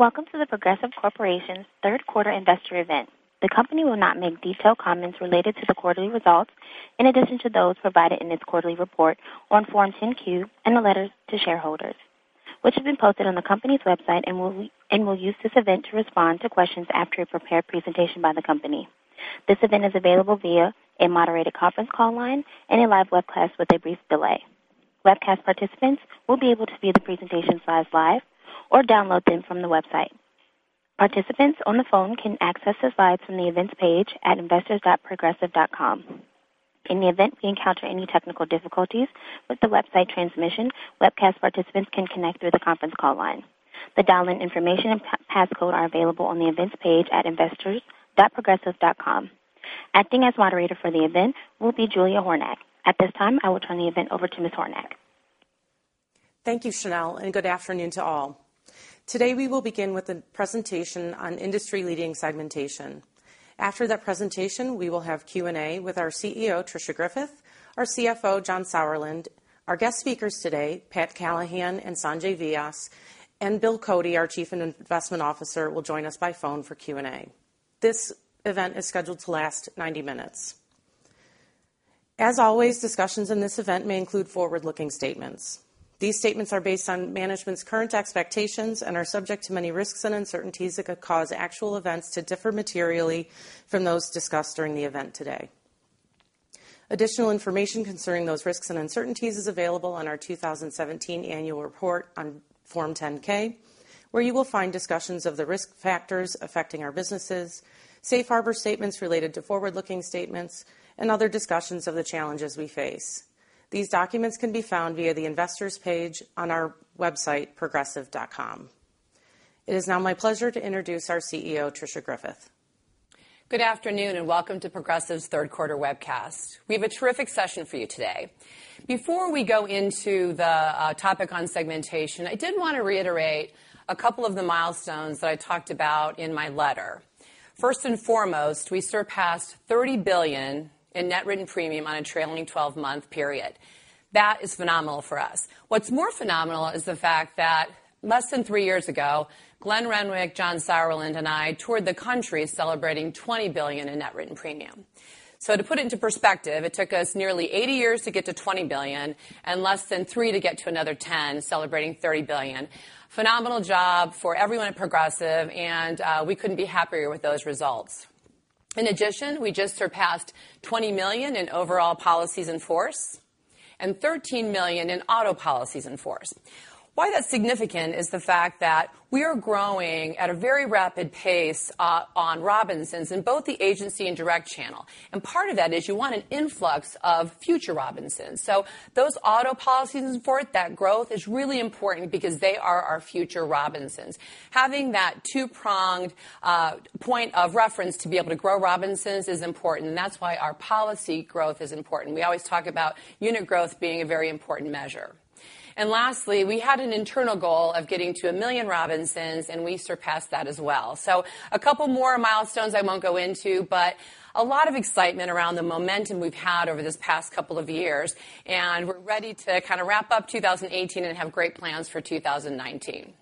Welcome to The Progressive Corporation third quarter investor event. The company will not make detailed comments related to the quarterly results in addition to those provided in its quarterly report on Form 10-Q and the letters to shareholders, which have been posted on the company's website and will use this event to respond to questions after a prepared presentation by the company. This event is available via a moderated conference call line and a live webcast with a brief delay. Webcast participants will be able to view the presentation slides live or download them from the website. Participants on the phone can access the slides from the Events page at investors.progressive.com. In the event we encounter any technical difficulties with the website transmission, webcast participants can connect through the conference call line. The dial-in information and passcode are available on the Events page at investors.progressive.com. Acting as moderator for the event will be Julia Hornack. At this time, I will turn the event over to Ms. Hornack. Thank you, Chanel, good afternoon to all. Today, we will begin with a presentation on industry-leading segmentation. After that presentation, we will have Q&A with our CEO, Tricia Griffith, our CFO, John Sauerland, our guest speakers today, Patrick Callahan and Sanjay Vyas, and William Cody, our Chief Investment Officer, will join us by phone for Q&A. This event is scheduled to last 90 minutes. As always, discussions in this event may include forward-looking statements. These statements are based on management's current expectations and are subject to many risks and uncertainties that could cause actual events to differ materially from those discussed during the event today. Additional information concerning those risks and uncertainties is available on our 2017 annual report on Form 10-K, where you will find discussions of the risk factors affecting our businesses, safe harbor statements related to forward-looking statements, and other discussions of the challenges we face. These documents can be found via the investors page on our website, progressive.com. It is now my pleasure to introduce our CEO, Tricia Griffith. Good afternoon. Welcome to Progressive's third quarter webcast. We have a terrific session for you today. Before we go into the topic on segmentation, I did want to reiterate a couple of the milestones that I talked about in my letter. First and foremost, we surpassed $30 billion in net written premium on a trailing 12-month period. That is phenomenal for us. What's more phenomenal is the fact that less than three years ago, Glenn Renwick, John Sauerland, and I toured the country celebrating $20 billion in net written premium. To put it into perspective, it took us nearly 80 years to get to $20 billion and less than three to get to another 10, celebrating $30 billion. Phenomenal job for everyone at Progressive. We couldn't be happier with those results. In addition, we just surpassed 20 million in overall policies in force and 13 million in auto policies in force. Why that's significant is the fact that we are growing at a very rapid pace on Robinsons in both the agency and direct channel. Part of that is you want an influx of future Robinsons. Those auto policies in force, that growth is really important because they are our future Robinsons. Having that two-pronged point of reference to be able to grow Robinsons is important. That's why our policy growth is important. We always talk about unit growth being a very important measure. Lastly, we had an internal goal of getting to 1 million Robinsons, and we surpassed that as well. A couple more milestones I won't go into, but a lot of excitement around the momentum we've had over this past couple of years, and we're ready to kind of wrap up 2018 and have great plans for 2019.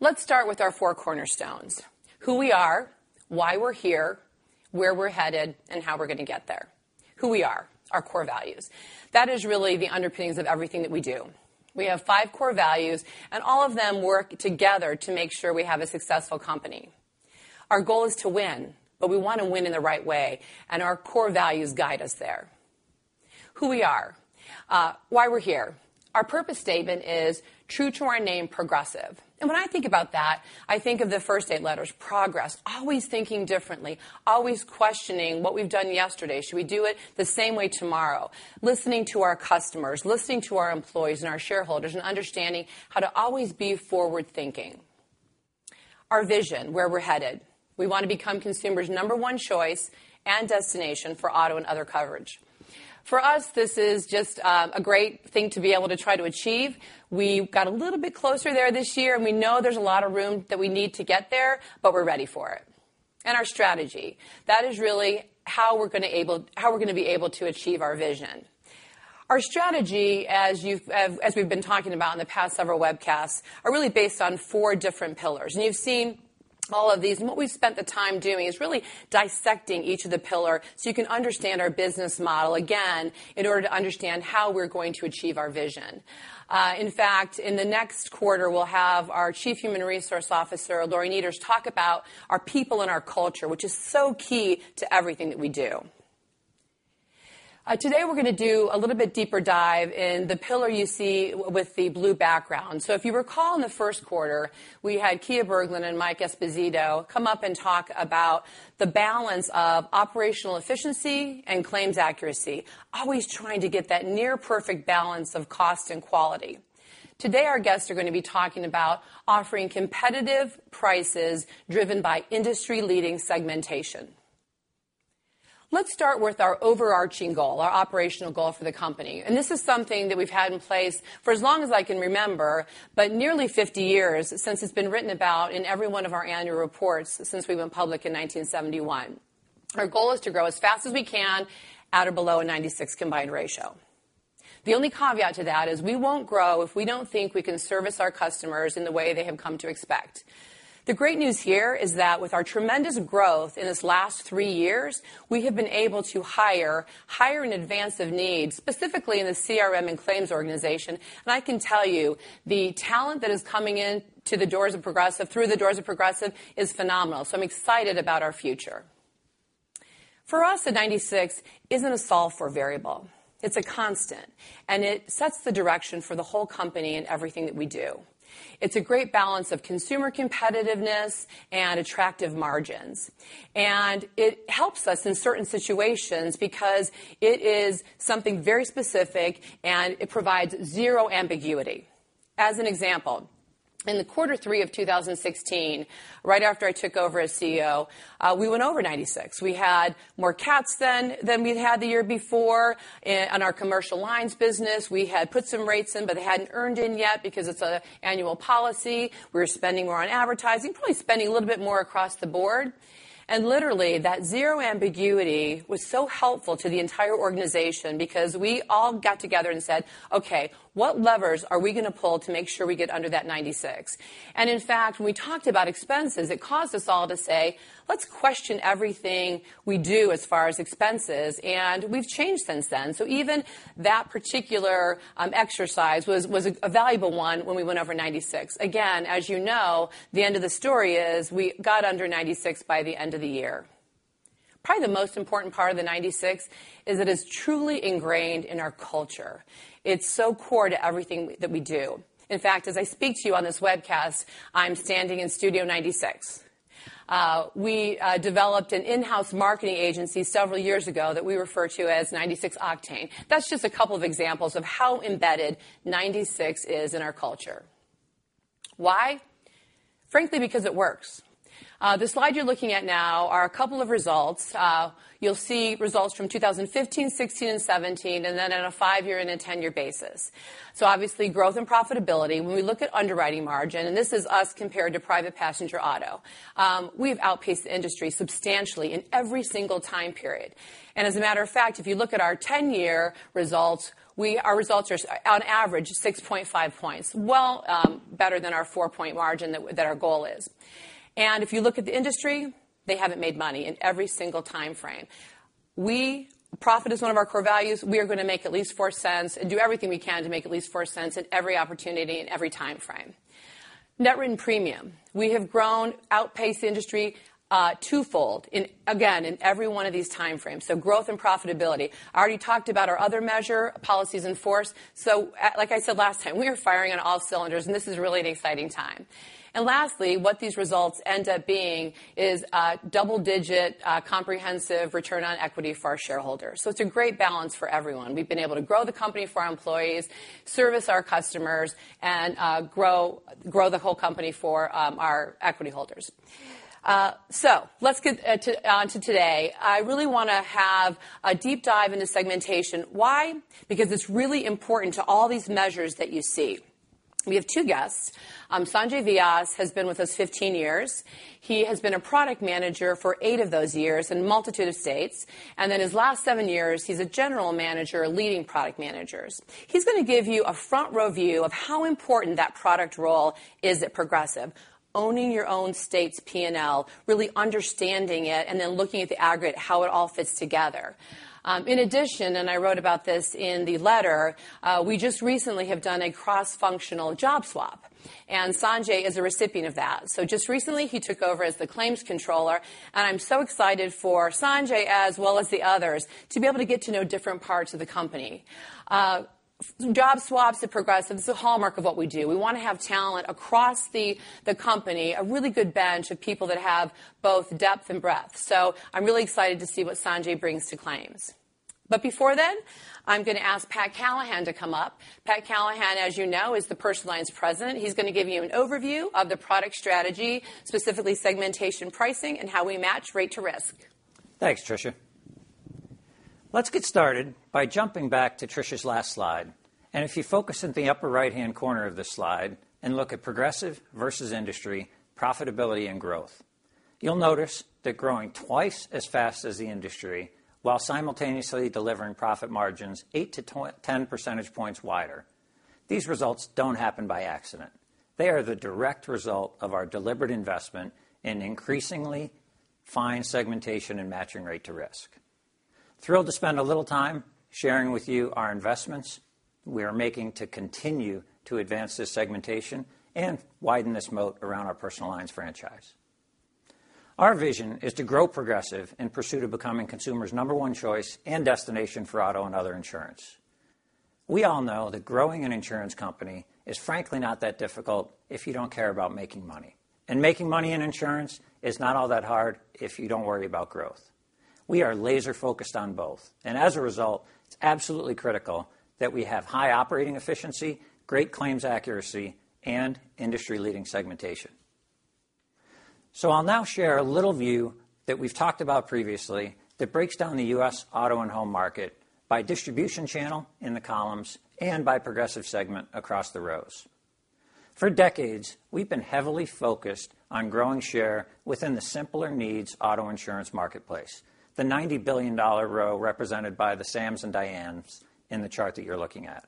Let's start with our four cornerstones, who we are, why we're here, where we're headed, and how we're going to get there. Who we are, our core values. That is really the underpinnings of everything that we do. We have five core values, and all of them work together to make sure we have a successful company. Our goal is to win, but we want to win in the right way, and our core values guide us there. Who we are, why we're here. Our purpose statement is true to our name, Progressive. When I think about that, I think of the first eight letters, progress, always thinking differently, always questioning what we've done yesterday. Should we do it the same way tomorrow? Listening to our customers, listening to our employees and our shareholders, and understanding how to always be forward-thinking. Our vision, where we're headed. We want to become consumers' number one choice and destination for auto and other coverage. For us, this is just a great thing to be able to try to achieve. We got a little bit closer there this year, and we know there's a lot of room that we need to get there, but we're ready for it. Our strategy, that is really how we're going to be able to achieve our vision. Our strategy, as we've been talking about in the past several webcasts, are really based on four different pillars, and you've seen all of these. What we've spent the time doing is really dissecting each of the pillar so you can understand our business model again in order to understand how we're going to achieve our vision. In fact, in the next quarter, we'll have our Chief Human Resource Officer, Lori Niederst, talk about our people and our culture, which is so key to everything that we do. Today, we're going to do a little bit deeper dive in the pillar you see with the blue background. If you recall in the first quarter, we had Kia Berglund and Michael Esposito come up and talk about the balance of operational efficiency and claims accuracy, always trying to get that near-perfect balance of cost and quality. Today, our guests are going to be talking about offering competitive prices driven by industry-leading segmentation. Let's start with our overarching goal, our operational goal for the company. This is something that we've had in place for as long as I can remember, but nearly 50 years since it's been written about in every one of our annual reports since we went public in 1971. Our goal is to grow as fast as we can at or below a 96 combined ratio. The only caveat to that is we won't grow if we don't think we can service our customers in the way they have come to expect. The great news here is that with our tremendous growth in this last three years, we have been able to hire in advance of need, specifically in the CRM and claims organization. I can tell you, the talent that is coming in through the doors of Progressive is phenomenal. I'm excited about our future. For us, the 96 isn't a solve for a variable. It's a constant, and it sets the direction for the whole company in everything that we do. It's a great balance of consumer competitiveness and attractive margins. It helps us in certain situations because it is something very specific, and it provides zero ambiguity. As an example, in the quarter three of 2016, right after I took over as CEO, we went over 96. We had more CATs then than we'd had the year before on our commercial lines business. We had put some rates in, but they hadn't earned in yet because it's an annual policy. We were spending more on advertising, probably spending a little bit more across the board. Literally, that zero ambiguity was so helpful to the entire organization because we all got together and said, "Okay, what levers are we going to pull to make sure we get under that 96?" In fact, when we talked about expenses, it caused us all to say, "Let's question everything we do as far as expenses." We've changed since then. Even that particular exercise was a valuable one when we went over 96. Again, as you know, the end of the story is we got under 96 by the end of the year. Probably the most important part of the 96 is it is truly ingrained in our culture. It's so core to everything that we do. In fact, as I speak to you on this webcast, I'm standing in Studio 96. We developed an in-house marketing agency several years ago that we refer to as 96 Octane. That's just a couple of examples of how embedded 96 is in our culture. Why? Frankly, because it works. The slide you're looking at now are a couple of results. You'll see results from 2015, 2016, and 2017, and then on a five-year and a 10-year basis. Obviously, growth and profitability. When we look at underwriting margin, and this is us compared to private passenger auto, we've outpaced the industry substantially in every single time period. As a matter of fact, if you look at our 10-year results, our results are on average 6.5 points. Well better than our four-point margin that our goal is. If you look at the industry, they haven't made money in every single time frame. Profit is one of our core values. We are going to make at least $0.04 and do everything we can to make at least $0.04 at every opportunity and every time frame. Net written premium. We have outpaced the industry twofold, again, in every one of these time frames, so growth and profitability. I already talked about our other measure, policies in force. Like I said last time, we are firing on all cylinders, and this is really an exciting time. Lastly, what these results end up being is double-digit comprehensive return on equity for our shareholders. It's a great balance for everyone. We've been able to grow the company for our employees, service our customers, and grow the whole company for our equity holders. Let's get on to today. I really want to have a deep dive into segmentation. Why? Because it's really important to all these measures that you see. We have two guests. Sanjay Vyas has been with us 15 years. He has been a product manager for eight of those years in a multitude of states. His last seven years, he's a General Manager leading product managers. He's going to give you a front-row view of how important that product role is at Progressive, owning your own state's P&L, really understanding it, and then looking at the aggregate, how it all fits together. In addition, I wrote about this in the letter, we just recently have done a cross-functional job swap, and Sanjay is a recipient of that. Just recently, he took over as the claims controller, and I'm so excited for Sanjay as well as the others to be able to get to know different parts of the company. Job swaps at Progressive is a hallmark of what we do. We want to have talent across the company, a really good bench of people that have both depth and breadth. I'm really excited to see what Sanjay brings to claims. Before then, I'm going to ask Pat Callahan to come up. Pat Callahan, as you know, is the Personal Lines President. He's going to give you an overview of the product strategy, specifically segmentation pricing, and how we match rate to risk. Thanks, Tricia. Let's get started by jumping back to Tricia's last slide. If you focus in the upper right-hand corner of this slide and look at Progressive versus industry profitability and growth, you'll notice they're growing twice as fast as the industry while simultaneously delivering profit margins 8 to 10 percentage points wider. These results don't happen by accident. They are the direct result of our deliberate investment in increasingly fine segmentation and matching rate to risk. Thrilled to spend a little time sharing with you our investments we are making to continue to advance this segmentation and widen this moat around our Personal Lines franchise. Our vision is to grow Progressive in pursuit of becoming consumers' number one choice and destination for auto and other insurance. We all know that growing an insurance company is frankly not that difficult if you don't care about making money. Making money in insurance is not all that hard if you don't worry about growth. We are laser-focused on both. As a result, it's absolutely critical that we have high operating efficiency, great claims accuracy, and industry-leading segmentation. I'll now share a little view that we've talked about previously that breaks down the U.S. auto and home market by distribution channel in the columns and by Progressive segment across the rows. For decades, we've been heavily focused on growing share within the simpler needs auto insurance marketplace, the $90 billion row represented by the Sams and Dianes in the chart that you're looking at.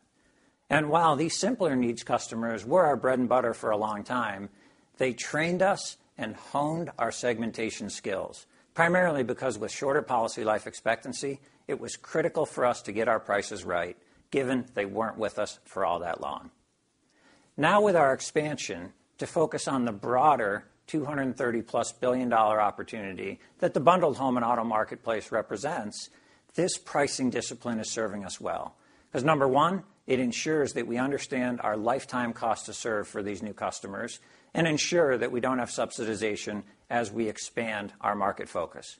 While these simpler needs customers were our bread and butter for a long time, they trained us and honed our segmentation skills, primarily because with shorter policy life expectancy, it was critical for us to get our prices right, given they weren't with us for all that long. Now with our expansion to focus on the broader $230+ billion opportunity that the bundled home and auto marketplace represents, this pricing discipline is serving us well. As number one, it ensures that we understand our lifetime cost to serve for these new customers and ensure that we don't have subsidization as we expand our market focus.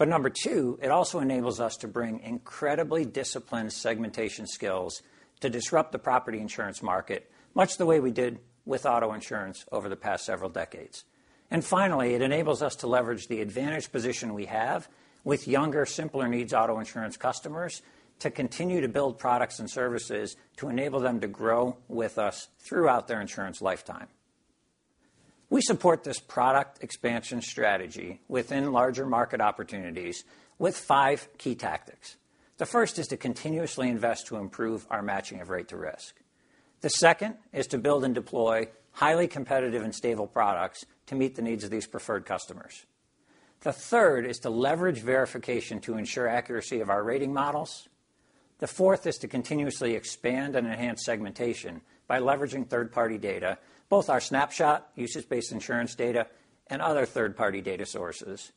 Number two, it also enables us to bring incredibly disciplined segmentation skills to disrupt the property insurance market, much the way we did with auto insurance over the past several decades. Finally, it enables us to leverage the advantage position we have with younger, simpler needs auto insurance customers to continue to build products and services to enable them to grow with us throughout their insurance lifetime. We support this product expansion strategy within larger market opportunities with five key tactics. The first is to continuously invest to improve our matching of rate to risk. The second is to build and deploy highly competitive and stable products to meet the needs of these preferred customers. The third is to leverage verification to ensure accuracy of our rating models. The fourth is to continuously expand and enhance segmentation by leveraging third-party data, both our Snapshot, usage-based insurance data, and other third-party data sources.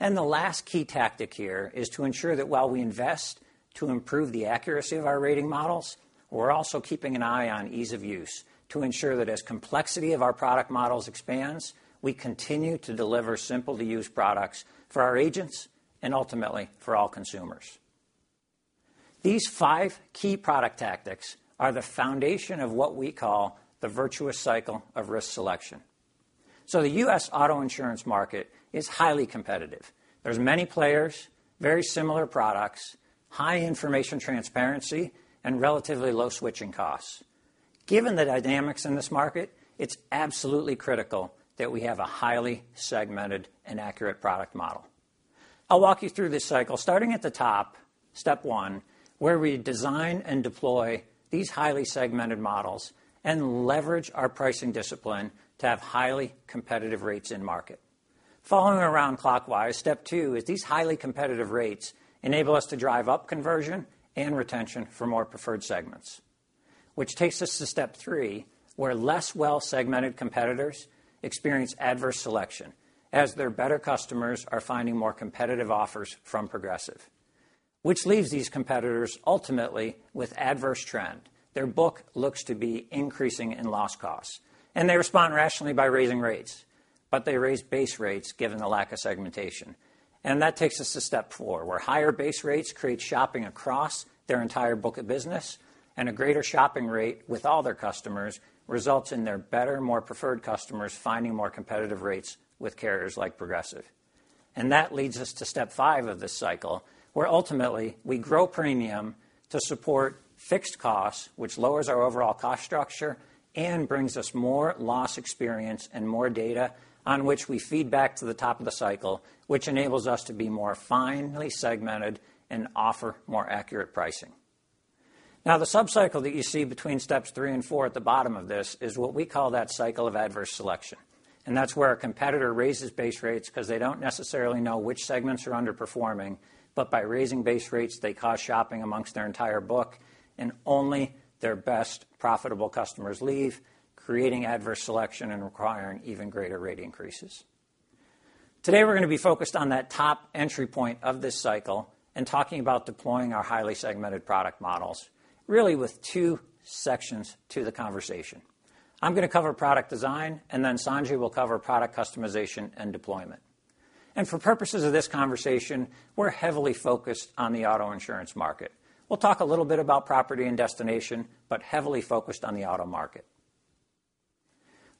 The last key tactic here is to ensure that while we invest to improve the accuracy of our rating models, we're also keeping an eye on ease of use to ensure that as complexity of our product models expands, we continue to deliver simple-to-use products for our agents and ultimately for all consumers. These five key product tactics are the foundation of what we call the virtuous cycle of risk selection. The U.S. auto insurance market is highly competitive. There's many players, very similar products, high information transparency, and relatively low switching costs. Given the dynamics in this market, it's absolutely critical that we have a highly segmented and accurate product model. I'll walk you through this cycle starting at the top, step 1, where we design and deploy these highly segmented models and leverage our pricing discipline to have highly competitive rates in market. Following around clockwise, step 2 is these highly competitive rates enable us to drive up conversion and retention for more preferred segments. Which takes us to step 3, where less well-segmented competitors experience adverse selection as their better customers are finding more competitive offers from Progressive. Which leaves these competitors ultimately with adverse trend. Their book looks to be increasing in loss costs, and they respond rationally by raising rates. They raise base rates given the lack of segmentation. That takes us to step 4, where higher base rates create shopping across their entire book of business, and a greater shopping rate with all their customers results in their better, more preferred customers finding more competitive rates with carriers like Progressive. That leads us to step 5 of this cycle, where ultimately we grow premium to support fixed costs, which lowers our overall cost structure and brings us more loss experience and more data on which we feed back to the top of the cycle, which enables us to be more finely segmented and offer more accurate pricing. Now, the sub-cycle that you see between steps 3 and 4 at the bottom of this is what we call that cycle of adverse selection, and that's where a competitor raises base rates because they don't necessarily know which segments are underperforming. By raising base rates, they cause shopping amongst their entire book, and only their best profitable customers leave, creating adverse selection and requiring even greater rate increases. Today, we're going to be focused on that top entry point of this cycle and talking about deploying our highly segmented product models, really with two sections to the conversation. I'm going to cover product design, and then Sanjay will cover product customization and deployment. For purposes of this conversation, we're heavily focused on the auto insurance market. We'll talk a little bit about property and destination, but heavily focused on the auto market.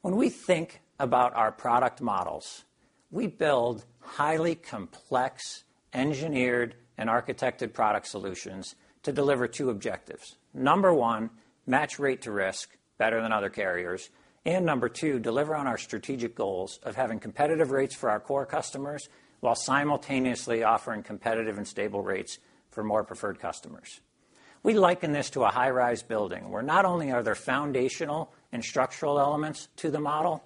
When we think about our product models, we build highly complex, engineered, and architected product solutions to deliver two objectives. Number 1, match rate to risk better than other carriers. Number 2, deliver on our strategic goals of having competitive rates for our core customers while simultaneously offering competitive and stable rates for more preferred customers. We liken this to a high-rise building, where not only are there foundational and structural elements to the model,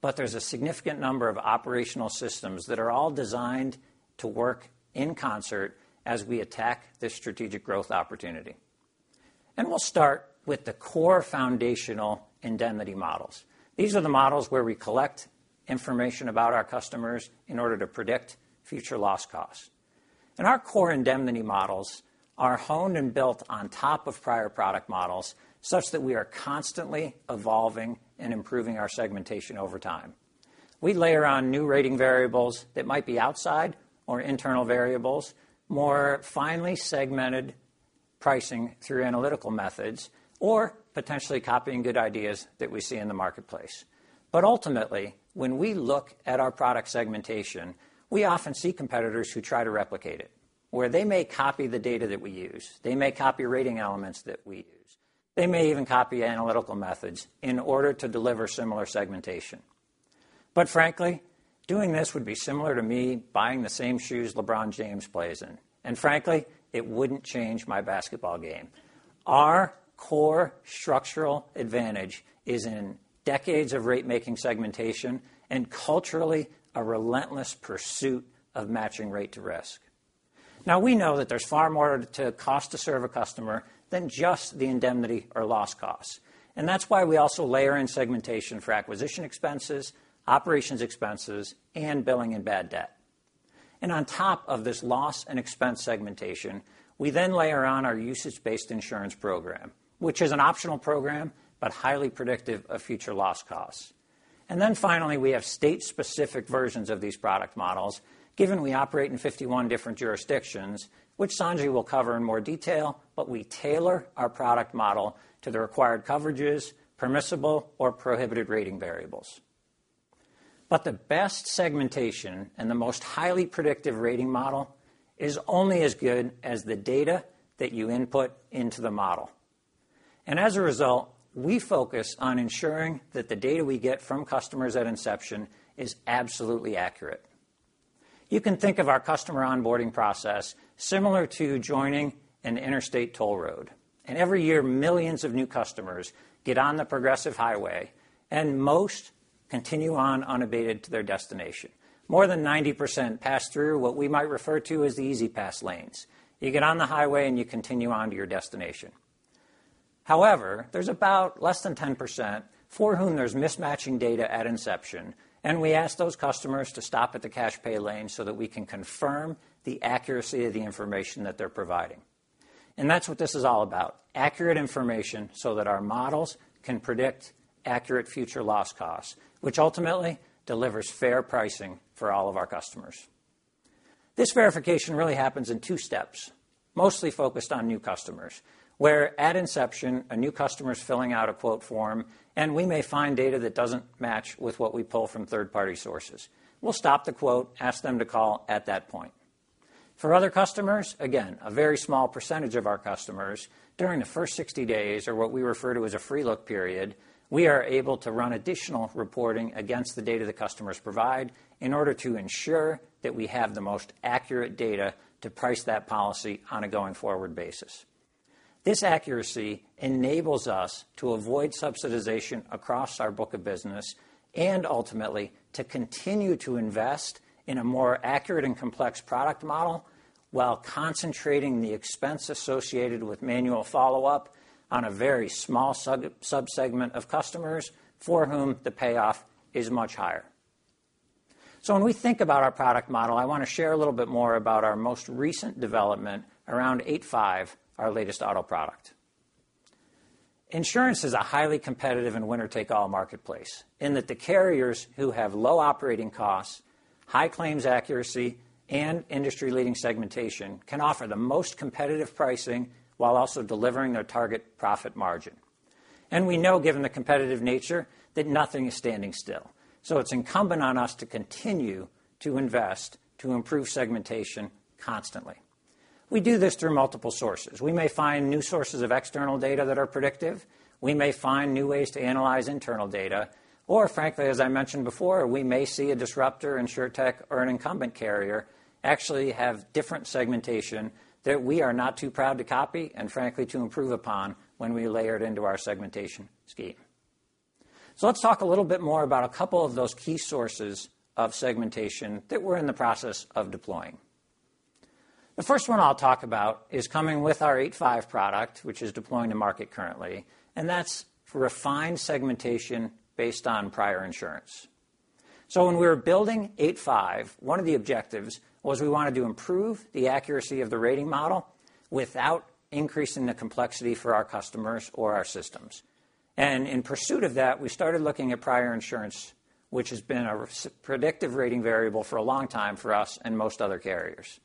but there's a significant number of operational systems that are all designed to work in concert as we attack this strategic growth opportunity. We'll start with the core foundational indemnity models. These are the models where we collect information about our customers in order to predict future loss costs. Our core indemnity models are honed and built on top of prior product models such that we are constantly evolving and improving our segmentation over time. We layer on new rating variables that might be outside or internal variables, more finely segmented pricing through analytical methods, or potentially copying good ideas that we see in the marketplace. Ultimately, when we look at our product segmentation, we often see competitors who try to replicate it. Where they may copy the data that we use, they may copy rating elements that we use. They may even copy analytical methods in order to deliver similar segmentation. Frankly, doing this would be similar to me buying the same shoes LeBron James plays in, and frankly, it wouldn't change my basketball game. Our core structural advantage is in decades of rate making segmentation and culturally, a relentless pursuit of matching rate to risk. Now, we know that there's far more to cost to serve a customer than just the indemnity or loss costs, and that's why we also layer in segmentation for acquisition expenses, operations expenses, and billing and bad debt. On top of this loss and expense segmentation, we then layer on our usage-based insurance program, which is an optional program, but highly predictive of future loss costs. Finally, we have state-specific versions of these product models, given we operate in 51 different jurisdictions, which Sanjay will cover in more detail, but we tailor our product model to the required coverages, permissible or prohibited rating variables. The best segmentation and the most highly predictive rating model is only as good as the data that you input into the model. As a result, we focus on ensuring that the data we get from customers at inception is absolutely accurate. You can think of our customer onboarding process similar to joining an interstate toll road, and every year, millions of new customers get on the Progressive highway and most continue on unabated to their destination. More than 90% pass through what we might refer to as the E-ZPass lanes. You get on the highway, and you continue on to your destination. However, there's about less than 10% for whom there's mismatching data at inception, and we ask those customers to stop at the cash pay lane so that we can confirm the accuracy of the information that they're providing. That's what this is all about, accurate information so that our models can predict accurate future loss costs, which ultimately delivers fair pricing for all of our customers. This verification really happens in two steps, mostly focused on new customers, where at inception, a new customer is filling out a quote form, and we may find data that doesn't match with what we pull from third-party sources. We'll stop the quote, ask them to call at that point. For other customers, again, a very small percentage of our customers, during the first 60 days or what we refer to as a free look period, we are able to run additional reporting against the data the customers provide in order to ensure that we have the most accurate data to price that policy on a going-forward basis. This accuracy enables us to avoid subsidization across our book of business and ultimately, to continue to invest in a more accurate and complex product model while concentrating the expense associated with manual follow-up on a very small subsegment of customers for whom the payoff is much higher. When we think about our product model, I want to share a little bit more about our most recent development around 8.5, our latest auto product. Insurance is a highly competitive and winner-take-all marketplace in that the carriers who have low operating costs, high claims accuracy, and industry-leading segmentation can offer the most competitive pricing while also delivering their target profit margin. We know, given the competitive nature, that nothing is standing still. It's incumbent on us to continue to invest to improve segmentation constantly. We do this through multiple sources. We may find new sources of external data that are predictive. We may find new ways to analyze internal data. Frankly, as I mentioned before, we may see a disruptor Insurtech or an incumbent carrier actually have different segmentation that we are not too proud to copy and frankly, to improve upon when we layer it into our segmentation scheme. Let's talk a little bit more about a couple of those key sources of segmentation that we're in the process of deploying. The first one I'll talk about is coming with our 8.5 product, which is deploying to market currently, and that's refined segmentation based on prior insurance. When we were building 8.5, one of the objectives was we wanted to improve the accuracy of the rating model without increasing the complexity for our customers or our systems. In pursuit of that, we started looking at prior insurance, which has been a predictive rating variable for a long time for us and most other carriers.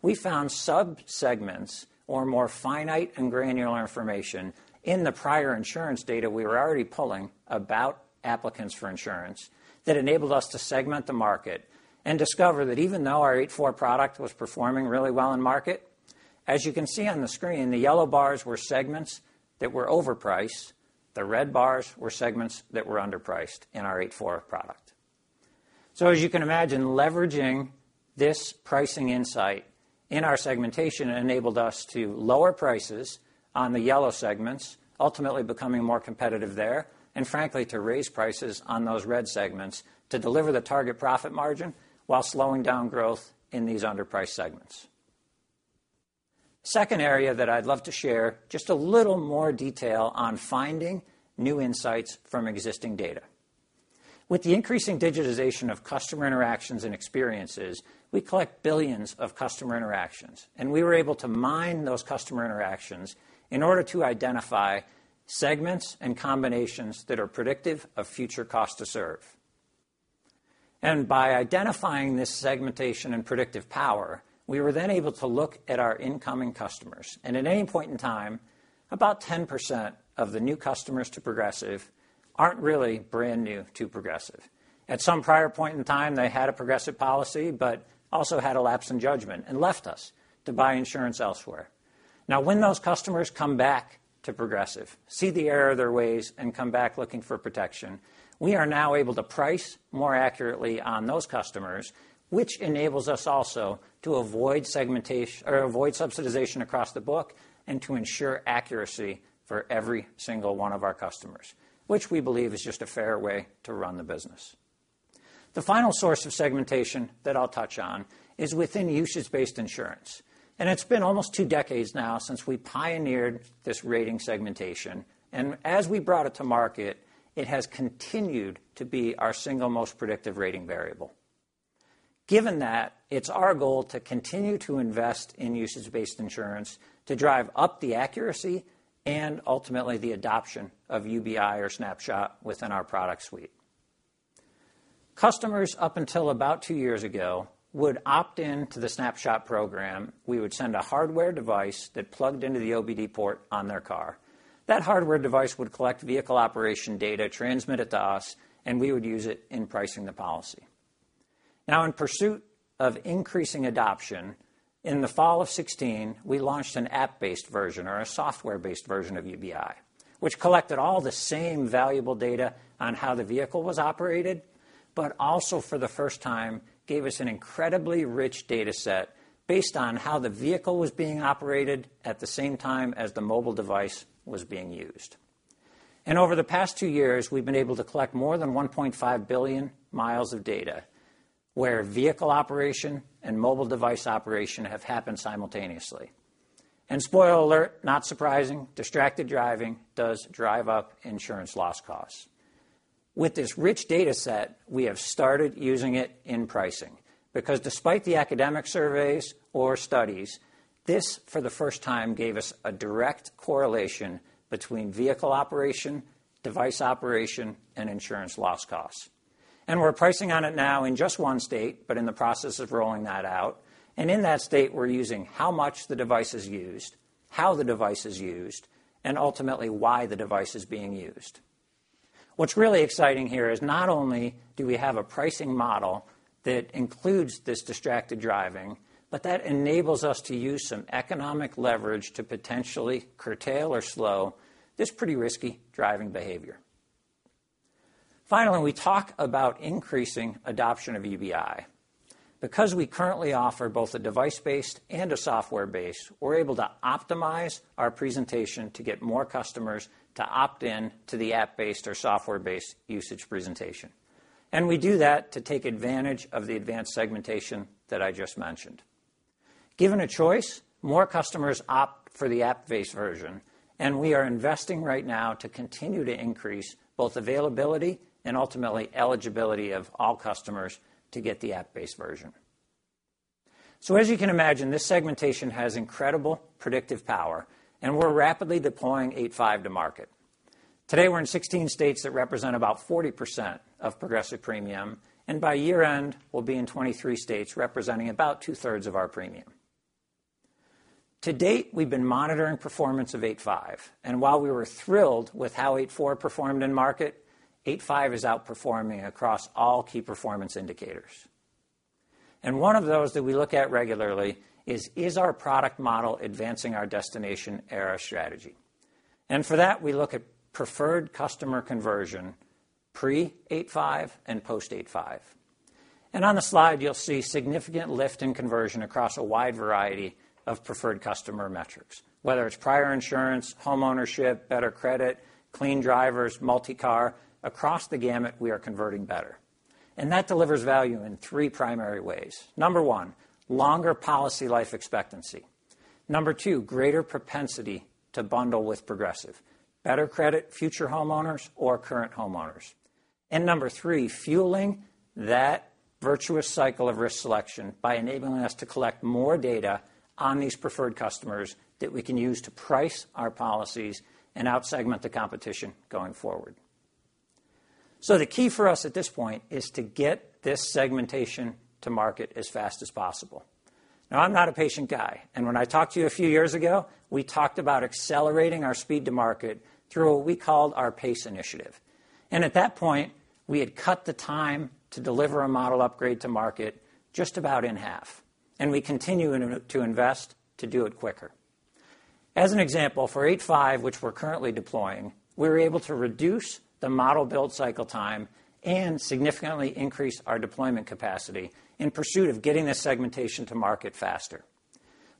We found subsegments or more finite and granular information in the prior insurance data we were already pulling about applicants for insurance that enabled us to segment the market and discover that even though our 8.4 product was performing really well in market, as you can see on the screen, the yellow bars were segments that were overpriced. The red bars were segments that were underpriced in our 8.4 product. As you can imagine, leveraging this pricing insight in our segmentation enabled us to lower prices on the yellow segments, ultimately becoming more competitive there, and frankly, to raise prices on those red segments to deliver the target profit margin while slowing down growth in these underpriced segments. Second area that I'd love to share, just a little more detail on finding new insights from existing data. With the increasing digitization of customer interactions and experiences, we collect billions of customer interactions, and we were able to mine those customer interactions in order to identify segments and combinations that are predictive of future cost to serve. By identifying this segmentation and predictive power, we were then able to look at our incoming customers. At any point in time, about 10% of the new customers to Progressive aren't really brand new to Progressive. At some prior point in time, they had a Progressive policy, but also had a lapse in judgment and left us to buy insurance elsewhere. When those customers come back to Progressive, see the error of their ways, and come back looking for protection, we are now able to price more accurately on those customers, which enables us also to avoid segmentation or avoid subsidization across the book, and to ensure accuracy for every single one of our customers, which we believe is just a fair way to run the business. The final source of segmentation that I'll touch on is within usage-based insurance, it's been almost 2 decades now since we pioneered this rating segmentation. As we brought it to market, it has continued to be our single most predictive rating variable. Given that, it's our goal to continue to invest in usage-based insurance to drive up the accuracy and ultimately the adoption of UBI or Snapshot within our product suite. Customers up until about 2 years ago would opt in to the Snapshot program. We would send a hardware device that plugged into the OBD port on their car. That hardware device would collect vehicle operation data, transmit it to us, and we would use it in pricing the policy. In pursuit of increasing adoption, in the fall of 2016, we launched an app-based version or a software-based version of UBI, which collected all the same valuable data on how the vehicle was operated, but also for the first time, gave us an incredibly rich data set based on how the vehicle was being operated at the same time as the mobile device was being used. Over the past 2 years, we've been able to collect more than 1.5 billion miles of data where vehicle operation and mobile device operation have happened simultaneously. Spoiler alert, not surprising, distracted driving does drive up insurance loss costs. With this rich data set, we have started using it in pricing because despite the academic surveys or studies, this, for the first time, gave us a direct correlation between vehicle operation, device operation, and insurance loss costs. We're pricing on it now in just one state, but in the process of rolling that out. In that state, we're using how much the device is used, how the device is used, and ultimately why the device is being used. What's really exciting here is not only do we have a pricing model that includes this distracted driving, but that enables us to use some economic leverage to potentially curtail or slow this pretty risky driving behavior. Finally, we talk about increasing adoption of UBI. Because we currently offer both a device-based and a software-based, we're able to optimize our presentation to get more customers to opt in to the app-based or software-based usage presentation. We do that to take advantage of the advanced segmentation that I just mentioned. Given a choice, more customers opt for the app-based version, and we are investing right now to continue to increase both availability and ultimately eligibility of all customers to get the app-based version. As you can imagine, this segmentation has incredible predictive power, and we're rapidly deploying 8.5 to market. Today, we're in 16 states that represent about 40% of Progressive premium, and by year-end, we'll be in 23 states representing about two-thirds of our premium. To date, we've been monitoring performance of 8.5, and while we were thrilled with how 8.4 performed in market, 8.5 is outperforming across all key performance indicators. One of those that we look at regularly is our product model advancing our Destination Era strategy? For that, we look at preferred customer conversion pre-8.5 and post 8.5. On the slide you'll see significant lift in conversion across a wide variety of preferred customer metrics, whether it's prior insurance, home ownership, better credit, clean drivers, multi-car. Across the gamut, we are converting better, and that delivers value in three primary ways. Number one, longer policy life expectancy. Number two, greater propensity to bundle with Progressive, better credit, future homeowners, or current homeowners. Number three, fueling that virtuous cycle of risk selection by enabling us to collect more data on these preferred customers that we can use to price our policies and out-segment the competition going forward. The key for us at this point is to get this segmentation to market as fast as possible. I'm not a patient guy, and when I talked to you a few years ago, we talked about accelerating our speed to market through what we called our PACE initiative. At that point, we had cut the time to deliver a model upgrade to market just about in half, and we continue to invest to do it quicker. As an example, for 8.5, which we're currently deploying, we were able to reduce the model build cycle time and significantly increase our deployment capacity in pursuit of getting this segmentation to market faster.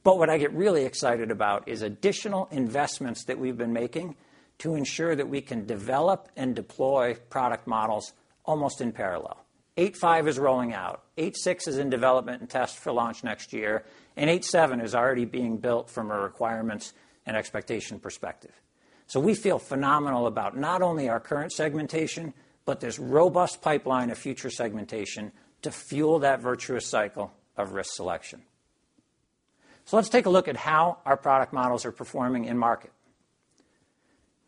What I get really excited about is additional investments that we've been making to ensure that we can develop and deploy product models almost in parallel. 8.5 is rolling out, 8.6 is in development and test for launch next year, and 8.7 is already being built from a requirements and expectation perspective. We feel phenomenal about not only our current segmentation, but this robust pipeline of future segmentation to fuel that virtuous cycle of risk selection. Let's take a look at how our product models are performing in market.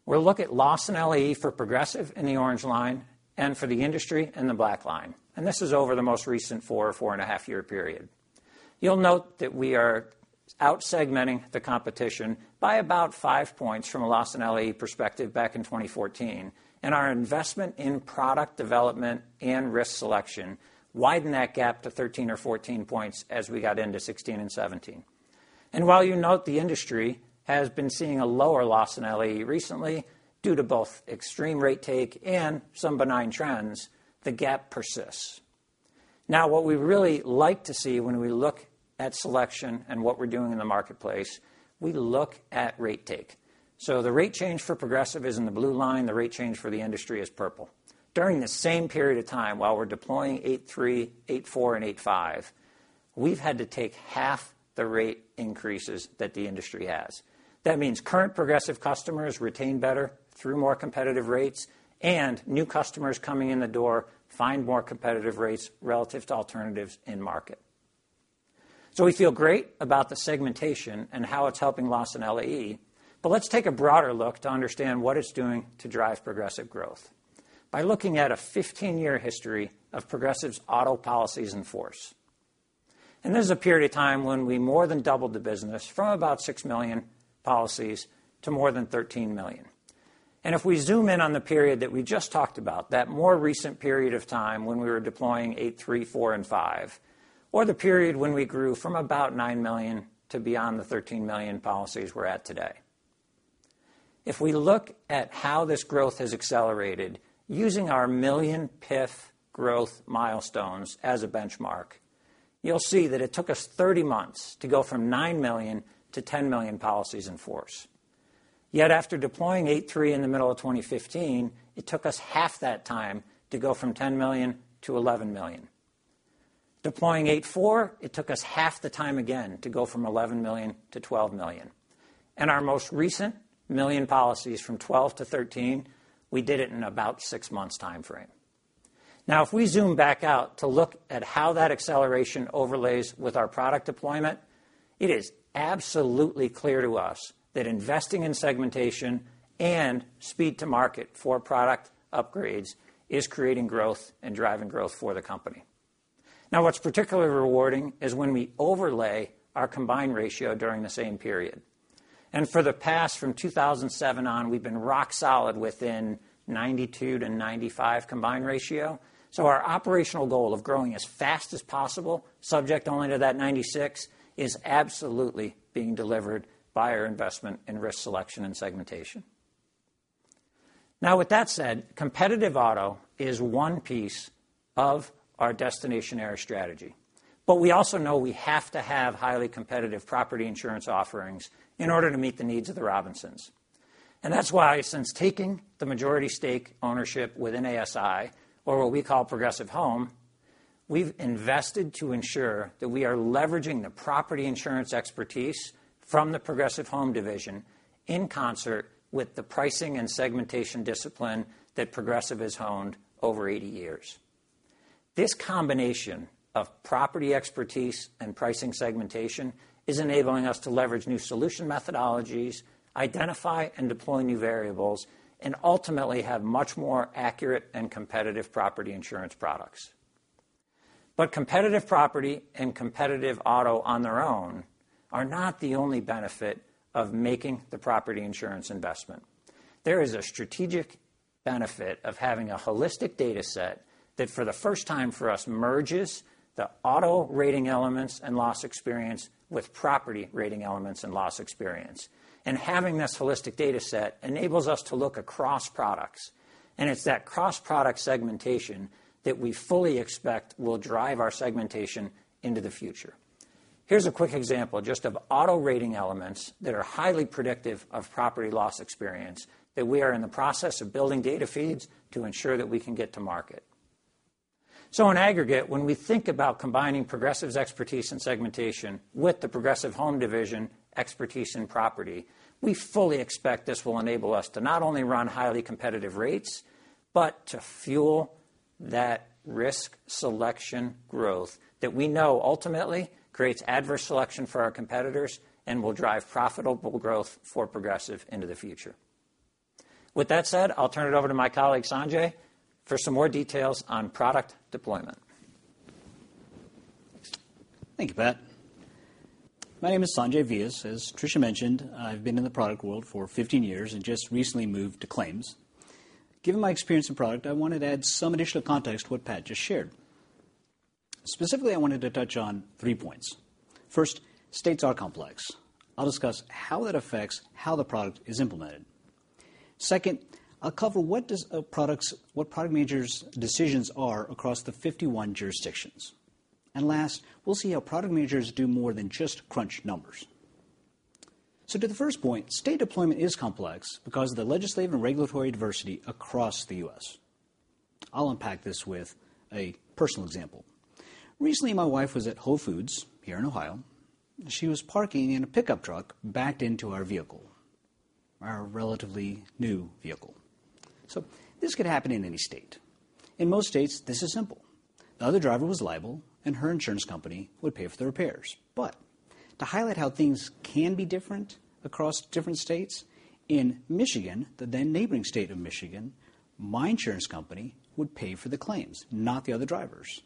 We'll look at loss and LAE for Progressive in the orange line and for the industry in the black line. This is over the most recent four and a half year period. You'll note that we are out-segmenting the competition by about five points from a loss in LAE perspective back in 2014. Our investment in product development and risk selection widened that gap to 13 or 14 points as we got into 2016 and 2017. While you note the industry has been seeing a lower loss in LAE recently, due to both extreme rate take and some benign trends, the gap persists. What we really like to see when we look at selection and what we're doing in the marketplace, we look at rate take. The rate change for Progressive is in the blue line. The rate change for the industry is purple. During the same period of time, while we're deploying 8.3, 8.4, and 8.5, we've had to take half the rate increases that the industry has. That means current Progressive customers retain better through more competitive rates, and new customers coming in the door find more competitive rates relative to alternatives in market. We feel great about the segmentation and how it's helping loss in LAE, but let's take a broader look to understand what it's doing to drive Progressive growth by looking at a 15-year history of Progressive's auto policies in force. This is a period of time when we more than doubled the business from about six million policies to more than 13 million. If we zoom in on the period that we just talked about, that more recent period of time when we were deploying 8.3, 8.4, and 8.5, or the period when we grew from about nine million to beyond the 13 million policies we're at today. If we look at how this growth has accelerated using our million PIF growth milestones as a benchmark, you'll see that it took us 30 months to go from nine million to 10 million policies in force. Yet after deploying 8.3 in the middle of 2015, it took us half that time to go from 10 million to 11 million. Deploying 8.4, it took us half the time again to go from 11 million to 12 million. Our most recent million policies from 12 to 13, we did it in about six months' timeframe. If we zoom back out to look at how that acceleration overlays with our product deployment, it is absolutely clear to us that investing in segmentation and speed to market for product upgrades is creating growth and driving growth for the company. What's particularly rewarding is when we overlay our combined ratio during the same period. For the past, from 2007 on, we've been rock solid within 92 to 95 combined ratio. Our operational goal of growing as fast as possible, subject only to that 96, is absolutely being delivered by our investment in risk selection and segmentation. With that said, competitive auto is one piece of our Destination Era strategy. We also know we have to have highly competitive property insurance offerings in order to meet the needs of the Robinsons. That's why since taking the majority stake ownership within ASI, or what we call Progressive Home, we've invested to ensure that we are leveraging the property insurance expertise from the Progressive Home division in concert with the pricing and segmentation discipline that Progressive has honed over 80 years. This combination of property expertise and pricing segmentation is enabling us to leverage new solution methodologies, identify and deploy new variables, and ultimately have much more accurate and competitive property insurance products. Competitive property and competitive auto on their own are not the only benefit of making the property insurance investment. There is a strategic benefit of having a holistic data set that, for the first time for us, merges the auto rating elements and loss experience with property rating elements and loss experience. Having this holistic data set enables us to look across products, and it's that cross-product segmentation that we fully expect will drive our segmentation into the future. Here's a quick example just of auto rating elements that are highly predictive of property loss experience that we are in the process of building data feeds to ensure that we can get to market. In aggregate, when we think about combining Progressive's expertise in segmentation with the Progressive Home division expertise in property, we fully expect this will enable us to not only run highly competitive rates, but to fuel that risk selection growth that we know ultimately creates adverse selection for our competitors and will drive profitable growth for Progressive into the future. With that said, I'll turn it over to my colleague, Sanjay, for some more details on product deployment. Thank you, Pat. My name is Sanjay Vyas. As Tricia mentioned, I've been in the product world for 15 years and just recently moved to claims. Given my experience in product, I wanted to add some additional context to what Pat just shared. Specifically, I wanted to touch on three points. First, states are complex. I'll discuss how that affects how the product is implemented. Second, I'll cover what product managers' decisions are across the 51 jurisdictions. Last, we'll see how product managers do more than just crunch numbers. To the first point, state deployment is complex because of the legislative and regulatory adversity across the U.S. I'll unpack this with a personal example. Recently, my wife was at Whole Foods here in Ohio, and she was parking and a pickup truck backed into our vehicle, our relatively new vehicle. This could happen in any state. In most states, this is simple. The other driver was liable, and her insurance company would pay for the repairs. To highlight how things can be different across different states, in Michigan, the then neighboring state of Michigan, my insurance company would pay for the claims, not the other drivers.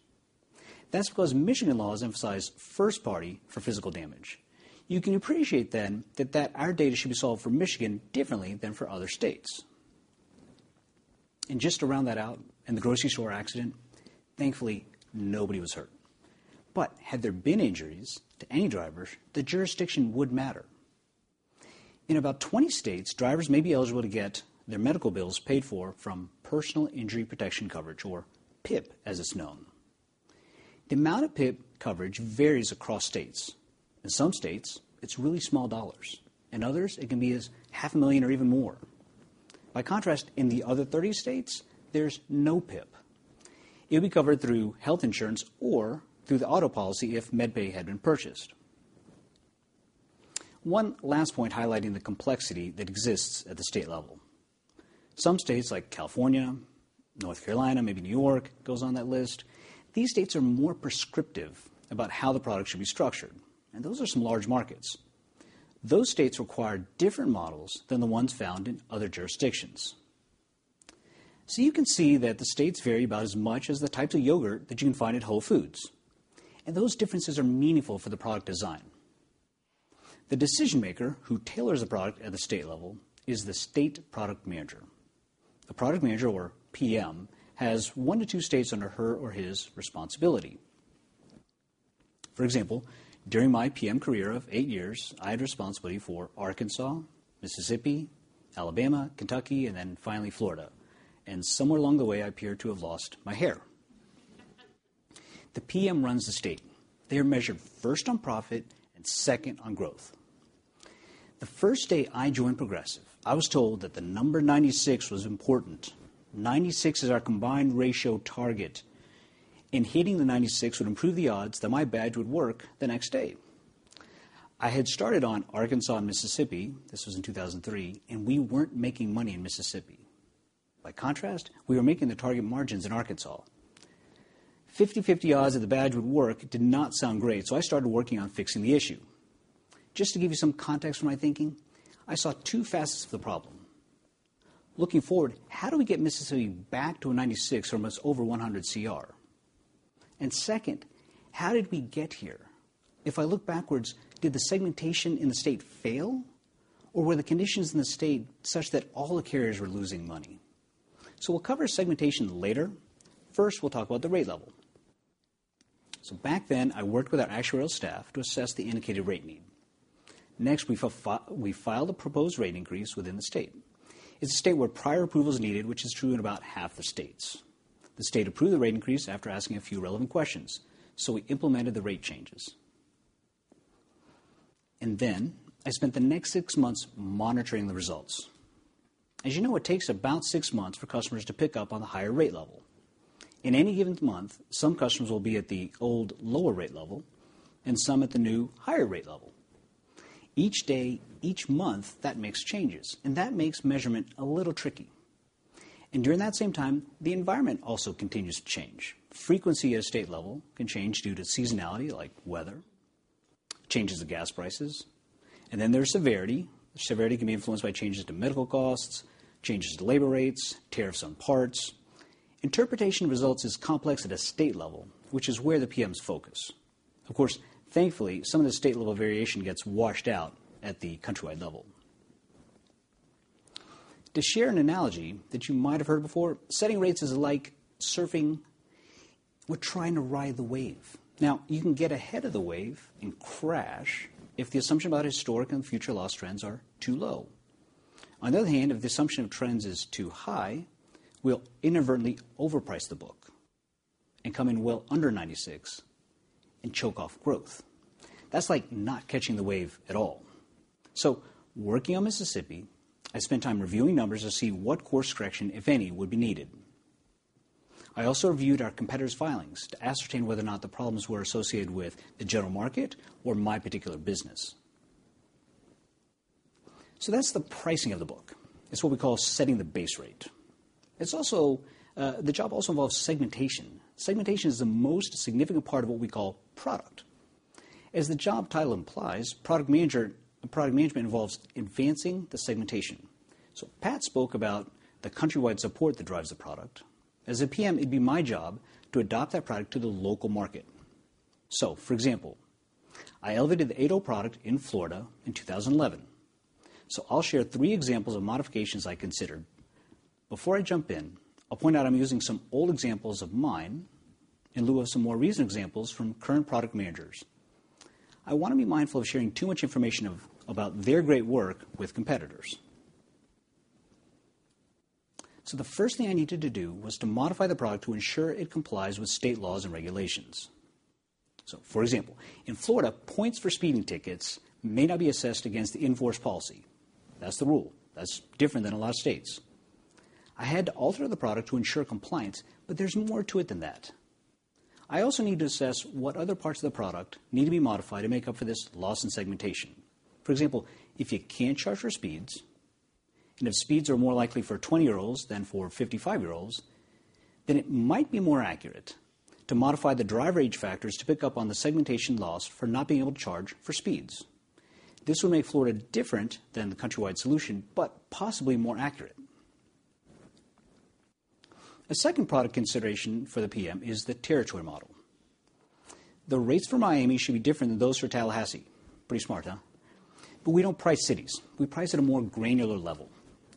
That's because Michigan laws emphasize first party for physical damage. You can appreciate then that our data should be solved for Michigan differently than for other states. Just to round that out, in the grocery store accident, thankfully, nobody was hurt. Had there been injuries to any drivers, the jurisdiction would matter. In about 20 states, drivers may be eligible to get their medical bills paid for from personal injury protection coverage, or PIP, as it's known. The amount of PIP coverage varies across states. In some states, it's really small dollars. In others, it can be as half a million or even more. By contrast, in the other 30 states, there's no PIP. It would be covered through health insurance or through the auto policy if MedPay had been purchased. One last point highlighting the complexity that exists at the state level. Some states like California, North Carolina, maybe New York goes on that list, these states are more prescriptive about how the product should be structured, and those are some large markets. Those states require different models than the ones found in other jurisdictions. You can see that the states vary about as much as the types of yogurt that you can find at Whole Foods, and those differences are meaningful for the product design. The decision maker who tailors the product at the state level is the state product manager. The product manager, or PM, has one to two states under her or his responsibility. For example, during my PM career of eight years, I had responsibility for Arkansas, Mississippi, Alabama, Kentucky, then finally Florida, and somewhere along the way, I appear to have lost my hair. The PM runs the state. They are measured first on profit and second on growth. The first day I joined Progressive, I was told that the number 96 was important. 96 is our combined ratio target, and hitting the 96 would improve the odds that my badge would work the next day. I had started on Arkansas and Mississippi, this was in 2003, and we weren't making money in Mississippi. By contrast, we were making the target margins in Arkansas. 50/50 odds that the badge would work did not sound great. I started working on fixing the issue. Just to give you some context for my thinking, I saw two facets of the problem. Looking forward, how do we get Mississippi back to a 96 from its over 100 CR? Second, how did we get here? If I look backwards, did the segmentation in the state fail, or were the conditions in the state such that all the carriers were losing money? We'll cover segmentation later. First, we'll talk about the rate level. Back then, I worked with our actuarial staff to assess the indicated rate need. Next, we filed a proposed rate increase within the state. It's a state where prior approval is needed, which is true in about half the states. The state approved the rate increase after asking a few relevant questions. We implemented the rate changes. Then I spent the next six months monitoring the results. As you know, it takes about six months for customers to pick up on the higher rate level. In any given month, some customers will be at the old lower rate level and some at the new higher rate level. Each day, each month, that makes changes, and that makes measurement a little tricky. During that same time, the environment also continues to change. Frequency at a state level can change due to seasonality, like weather, changes in gas prices. There's severity. Severity can be influenced by changes to medical costs, changes to labor rates, tariffs on parts. Interpretation results is complex at a state level, which is where the PMs focus. Of course, thankfully, some of the state level variation gets washed out at the countrywide level. To share an analogy that you might have heard before, setting rates is like surfing. We're trying to ride the wave. You can get ahead of the wave and crash if the assumption about historic and future loss trends are too low. On the other hand, if the assumption of trends is too high, we'll inadvertently overprice the book and come in well under 96 and choke off growth. That's like not catching the wave at all. Working on Mississippi, I spent time reviewing numbers to see what course correction, if any, would be needed. I also reviewed our competitors' filings to ascertain whether or not the problems were associated with the general market or my particular business. That's the pricing of the book. It's what we call setting the base rate. The job also involves segmentation. Segmentation is the most significant part of what we call product. As the job title implies, product management involves advancing the segmentation. Pat spoke about the countrywide support that drives the product. As a PM, it'd be my job to adopt that product to the local market. For example, I elevated the AO product in Florida in 2011. I'll share three examples of modifications I considered. Before I jump in, I'll point out I'm using some old examples of mine in lieu of some more recent examples from current product managers. I want to be mindful of sharing too much information about their great work with competitors. The first thing I needed to do was to modify the product to ensure it complies with state laws and regulations. For example, in Florida, points for speeding tickets may not be assessed against the in-force policy. That's the rule. That's different than a lot of states. I had to alter the product to ensure compliance, there's more to it than that. I also need to assess what other parts of the product need to be modified to make up for this loss in segmentation. For example, if you can't charge for speeds if speeds are more likely for 20-year-olds than for 55-year-olds, then it might be more accurate to modify the driver age factors to pick up on the segmentation loss for not being able to charge for speeds. This would make Florida different than the countrywide solution, but possibly more accurate. A second product consideration for the PM is the territory model. The rates for Miami should be different than those for Tallahassee. Pretty smart, huh? We don't price cities. We price at a more granular level,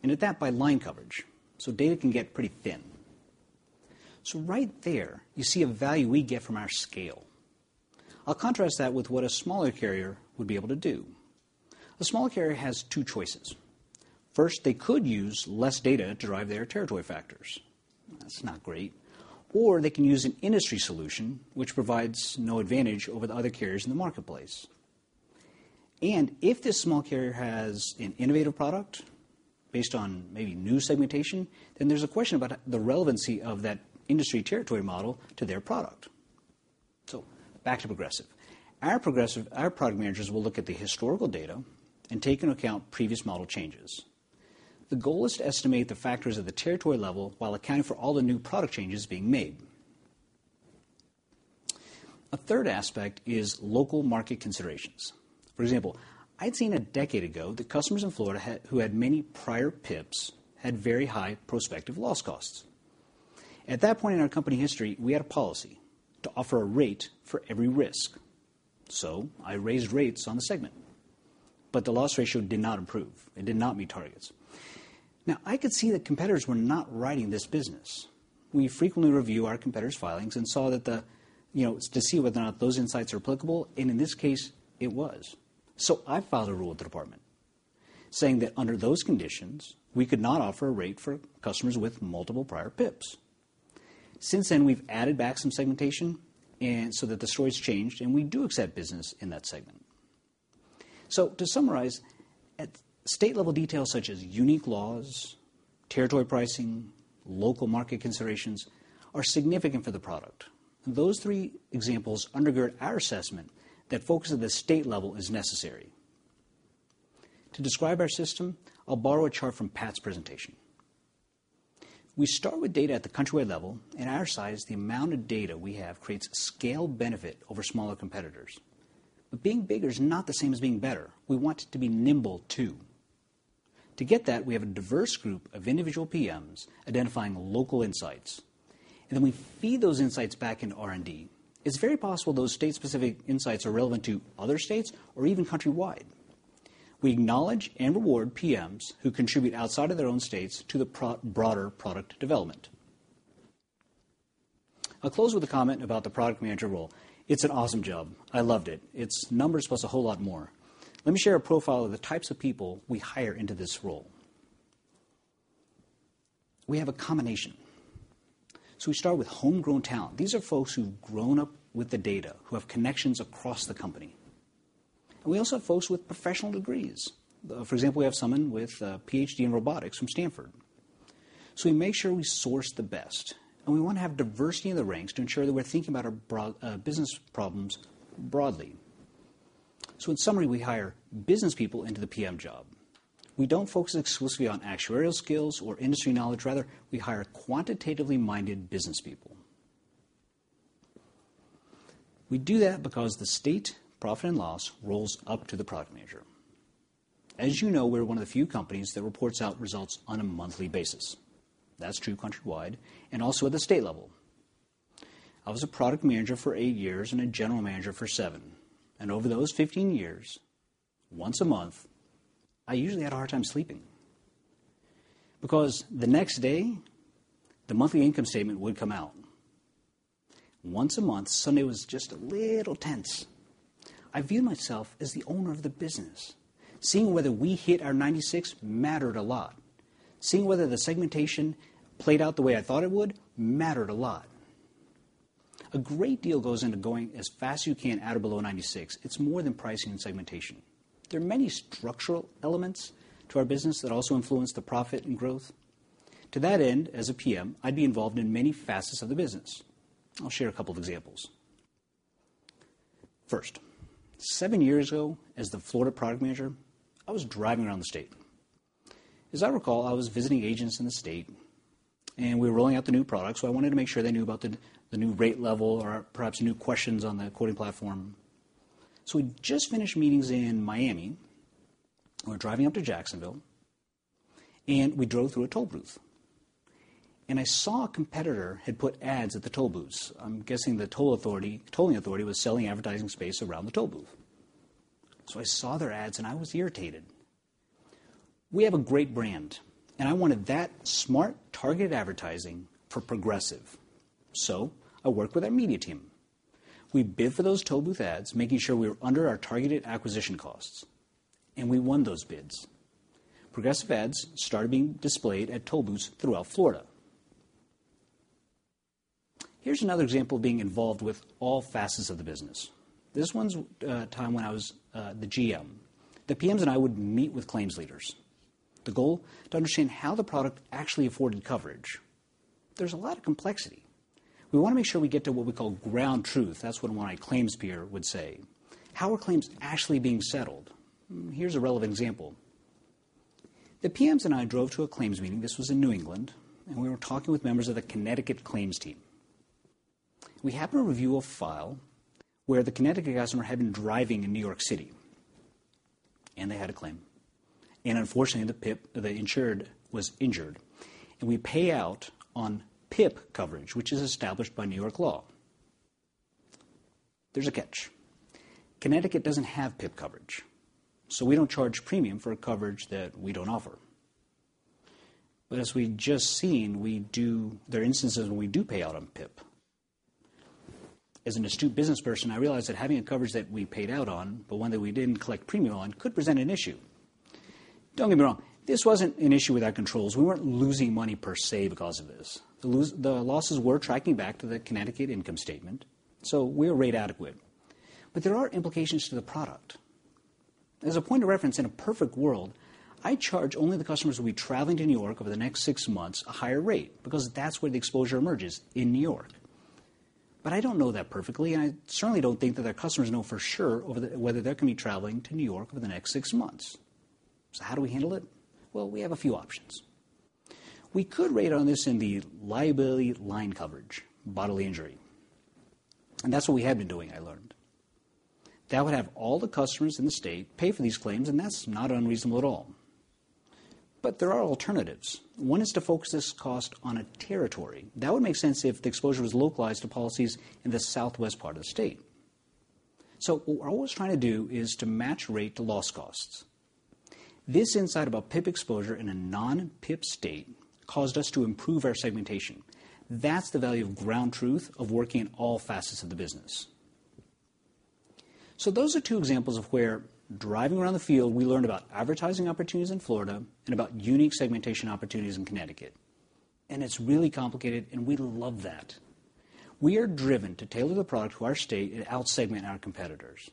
and at that by line coverage, data can get pretty thin. Right there you see a value we get from our scale. I'll contrast that with what a smaller carrier would be able to do. A smaller carrier has two choices. First, they could use less data to drive their territory factors. That's not great. They can use an industry solution which provides no advantage over the other carriers in the marketplace. If this small carrier has an innovative product based on maybe new segmentation, then there's a question about the relevancy of that industry territory model to their product. Back to Progressive. Our product managers will look at the historical data and take into account previous model changes. The goal is to estimate the factors at the territory level while accounting for all the new product changes being made. A third aspect is local market considerations. For example, I'd seen a decade ago that customers in Florida who had many prior PIPs had very high prospective loss costs. At that point in our company history, we had a policy to offer a rate for every risk. I raised rates on the segment, but the loss ratio did not improve and did not meet targets. I could see that competitors were not writing this business. We frequently review our competitors' filings to see whether or not those insights are applicable, and in this case, it was. I filed a rule with the department saying that under those conditions, we could not offer a rate for customers with multiple prior PIPs. Since then, we've added back some segmentation, the story's changed, and we do accept business in that segment. To summarize, at state-level details such as unique laws, territory pricing, local market considerations are significant for the product. Those three examples undergird our assessment that focus at the state level is necessary. To describe our system, I'll borrow a chart from Pat's presentation. We start with data at the countrywide level. In our size, the amount of data we have creates scale benefit over smaller competitors. Being bigger is not the same as being better. We want to be nimble, too. To get that, we have a diverse group of individual PMs identifying local insights, we feed those insights back into R&D. It's very possible those state-specific insights are relevant to other states or even countrywide. We acknowledge and reward PMs who contribute outside of their own states to the broader product development. I'll close with a comment about the product manager role. It's an awesome job. I loved it. It's numbers plus a whole lot more. Let me share a profile of the types of people we hire into this role. We have a combination. We start with homegrown talent. These are folks who've grown up with the data, who have connections across the company. We also have folks with professional degrees. For example, we have someone with a PhD in robotics from Stanford. We make sure we source the best, and we want to have diversity in the ranks to ensure that we're thinking about our business problems broadly. In summary, we hire businesspeople into the PM job. We don't focus exclusively on actuarial skills or industry knowledge. Rather, we hire quantitatively-minded businesspeople. We do that because the state profit and loss rolls up to the product manager. As you know, we're one of the few companies that reports out results on a monthly basis. That's true countrywide and also at the state level. I was a product manager for eight years and a general manager for seven, and over those 15 years, once a month, I usually had a hard time sleeping because the next day, the monthly income statement would come out. Once a month, Sunday was just a little tense. I viewed myself as the owner of the business. Seeing whether we hit our 96 mattered a lot. Seeing whether the segmentation played out the way I thought it would mattered a lot. A great deal goes into going as fast as you can at or below 96. It's more than pricing and segmentation. There are many structural elements to our business that also influence the profit and growth. To that end, as a PM, I'd be involved in many facets of the business. I'll share a couple of examples. First, seven years ago, as the Florida product manager, I was driving around the state. As I recall, I was visiting agents in the state, and we were rolling out the new product, so I wanted to make sure they knew about the new rate level or perhaps new questions on the quoting platform. We'd just finished meetings in Miami. We were driving up to Jacksonville, and we drove through a toll booth. I saw a competitor had put ads at the toll booths. I'm guessing the tolling authority was selling advertising space around the toll booth. I saw their ads, and I was irritated. We have a great brand, and I wanted that smart, targeted advertising for Progressive. I worked with our media team. We bid for those toll booth ads, making sure we were under our targeted acquisition costs, and we won those bids. Progressive ads started being displayed at toll booths throughout Florida. Here's another example of being involved with all facets of the business. This one's a time when I was the GM. The PMs and I would meet with claims leaders. The goal, to understand how the product actually afforded coverage. There's a lot of complexity. We want to make sure we get to what we call ground truth. That's what my claims peer would say. How are claims actually being settled? Here's a relevant example. The PMs and I drove to a claims meeting, this was in New England, and we were talking with members of the Connecticut claims team. We happened to review a file where the Connecticut customer had been driving in New York City, and they had a claim, and unfortunately, the insured was injured. We pay out on PIP coverage, which is established by New York law. There's a catch. Connecticut doesn't have PIP coverage, so we don't charge premium for a coverage that we don't offer. As we've just seen, there are instances when we do pay out on PIP. As an astute business person, I realize that having a coverage that we paid out on, but one that we didn't collect premium on, could present an issue. Don't get me wrong, this wasn't an issue with our controls. We weren't losing money per se because of this. The losses were tracking back to the Connecticut income statement, so we are rate adequate. There are implications to the product. As a point of reference, in a perfect world, I charge only the customers will be traveling to New York over the next six months a higher rate, because that's where the exposure emerges, in New York. I don't know that perfectly, and I certainly don't think that our customers know for sure whether they're going to be traveling to New York over the next six months. How do we handle it? Well, we have a few options. We could rate on this in the liability line coverage, bodily injury. That's what we had been doing, I learned. That would have all the customers in the state pay for these claims, and that's not unreasonable at all. There are alternatives. One is to focus this cost on a territory. What we're always trying to do is to match rate to loss costs. This insight about PIP exposure in a non-PIP state caused us to improve our segmentation. That's the value of ground truth of working in all facets of the business. Those are two examples of where driving around the field, we learned about advertising opportunities in Florida and about unique segmentation opportunities in Connecticut. It's really complicated, and we love that. We are driven to tailor the product to our state and out-segment our competitors.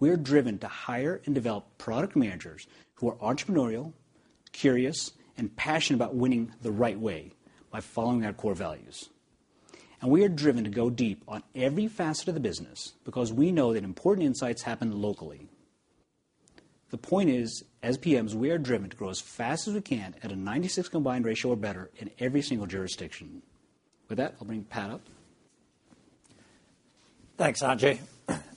We are driven to hire and develop product managers who are entrepreneurial, curious, and passionate about winning the right way, by following our core values. We are driven to go deep on every facet of the business because we know that important insights happen locally. The point is, as PMs, we are driven to grow as fast as we can at a 96 combined ratio or better in every single jurisdiction. With that, I'll bring Pat up. Thanks, Sanjay.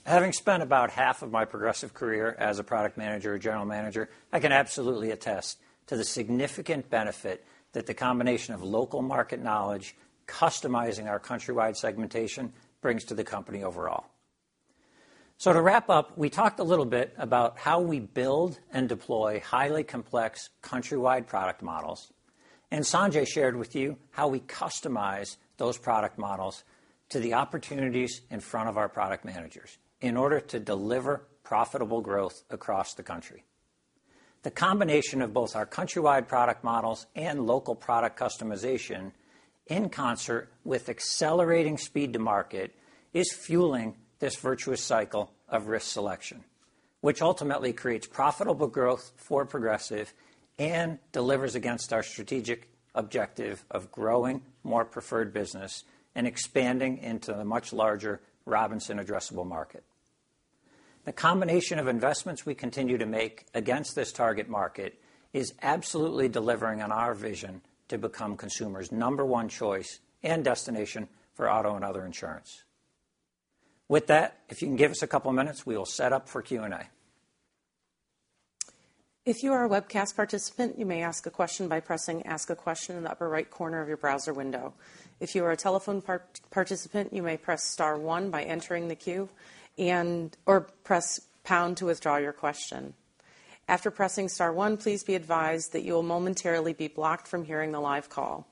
Having spent about half of my Progressive career as a product manager or general manager, I can absolutely attest to the significant benefit that the combination of local market knowledge, customizing our countrywide segmentation brings to the company overall. To wrap up, we talked a little bit about how we build and deploy highly complex countrywide product models, and Sanjay shared with you how we customize those product models to the opportunities in front of our product managers in order to deliver profitable growth across the country. The combination of both our countrywide product models and local product customization in concert with accelerating speed to market is fueling this virtuous cycle of risk selection, which ultimately creates profitable growth for Progressive and delivers against our strategic objective of growing more preferred business and expanding into the much larger Robinson addressable market. The combination of investments we continue to make against this target market is absolutely delivering on our vision to become consumers' number one choice and destination for auto and other insurance. With that, if you can give us a couple of minutes, we will set up for Q&A. If you are a webcast participant, you may ask a question by pressing Ask a Question in the upper right corner of your browser window. If you are a telephone participant, you may press star one by entering the queue or press pound to withdraw your question. After pressing star one, please be advised that you will momentarily be blocked from hearing the live call.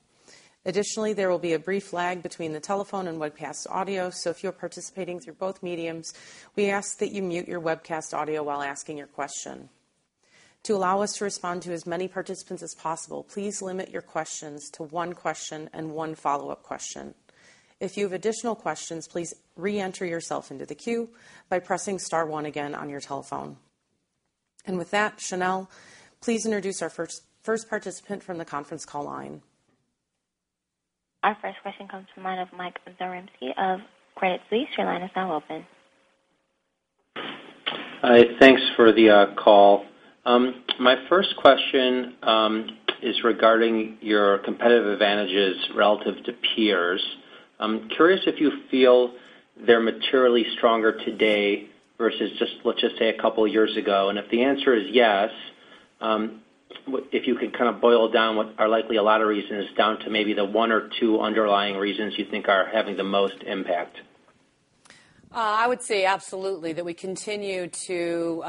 Additionally, there will be a brief lag between the telephone and webcast audio, so if you're participating through both mediums, we ask that you mute your webcast audio while asking your question. To allow us to respond to as many participants as possible, please limit your questions to one question and one follow-up question. If you have additional questions, please re-enter yourself into the queue by pressing star one again on your telephone. With that, Chanel, please introduce our first participant from the conference call line. Our first question comes from the line of Michael Zaremski of Credit Suisse. Your line is now open. Hi. Thanks for the call. My first question is regarding your competitive advantages relative to peers. I'm curious if you feel they're materially stronger today versus just, let's just say, a couple of years ago. If the answer is yes, if you could kind of boil down what are likely a lot of reasons down to maybe the one or two underlying reasons you think are having the most impact. I would say absolutely that we continue to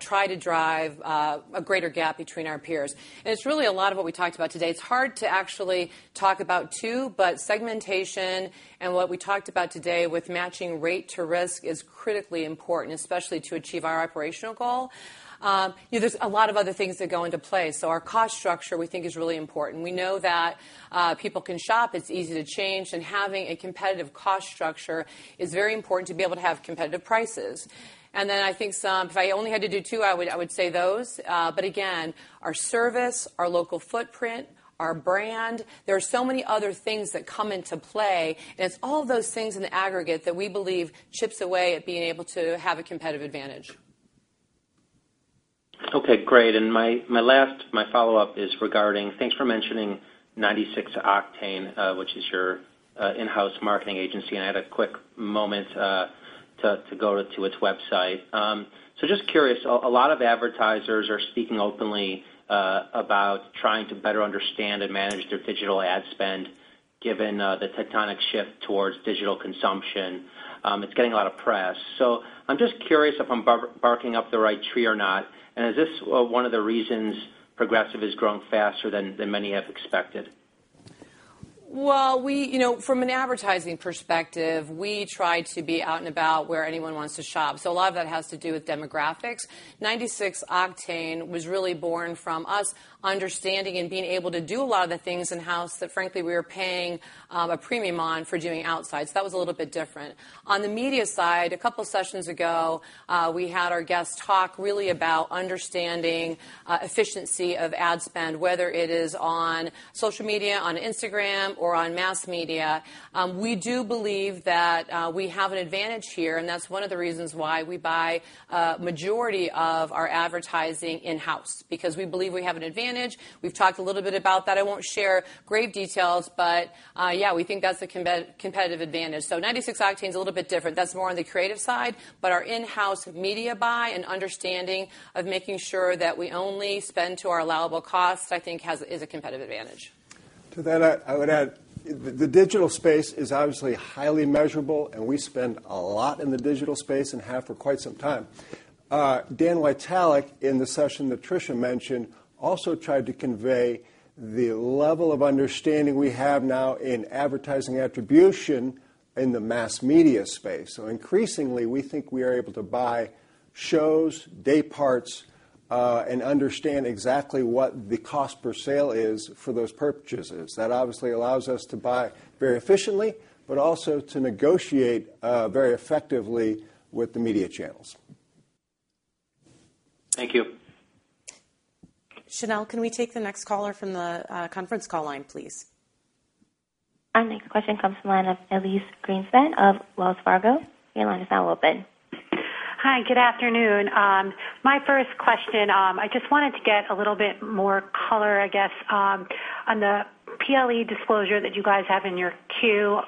try to drive a greater gap between our peers. It's really a lot of what we talked about today. It's hard to actually talk about two. Segmentation and what we talked about today with matching rate to risk is critically important, especially to achieve our operational goal. There's a lot of other things that go into play. Our cost structure, we think, is really important. We know that people can shop, it's easy to change, and having a competitive cost structure is very important to be able to have competitive prices. Then I think if I only had to do two, I would say those. Again, our service, our local footprint, our brand, there are so many other things that come into play. It's all those things in the aggregate that we believe chips away at being able to have a competitive advantage. Okay, great. My follow-up is regarding, thanks for mentioning 96 Octane, which is your in-house marketing agency, and I had a quick moment to go to its website. Just curious, a lot of advertisers are speaking openly about trying to better understand and manage their digital ad spend, given the tectonic shift towards digital consumption. It's getting a lot of press. I'm just curious if I'm barking up the right tree or not. Is this one of the reasons Progressive has grown faster than many have expected? Well, from an advertising perspective, we try to be out and about where anyone wants to shop. A lot of that has to do with demographics. 96 Octane was really born from us understanding and being able to do a lot of the things in-house that frankly, we were paying a premium on for doing outside. That was a little bit different. On the media side, a couple of sessions ago, we had our guest talk really about understanding efficiency of ad spend, whether it is on social media, on Instagram, or on mass media. We do believe that we have an advantage here. That's one of the reasons why we buy a majority of our advertising in-house, because we believe we have an advantage. We've talked a little bit about that. I won't share great details. Yeah, we think that's a competitive advantage. 96 Octane is a little bit different. That's more on the creative side, but our in-house media buy and understanding of making sure that we only spend to our allowable costs, I think is a competitive advantage. To that, I would add, the digital space is obviously highly measurable, and we spend a lot in the digital space and have for quite some time. Dan Witalec, in the session that Tricia mentioned, also tried to convey the level of understanding we have now in advertising attribution in the mass media space. Increasingly, we think we are able to buy shows, day parts, and understand exactly what the cost per sale is for those purchases. That obviously allows us to buy very efficiently, but also to negotiate very effectively with the media channels. Thank you. Chanel, can we take the next caller from the conference call line, please? Our next question comes from the line of Elyse Greenspan of Wells Fargo. Your line is now open. Hi, good afternoon. My first question, I just wanted to get a little bit more color, I guess, on the PLE disclosure that you guys have in your Q.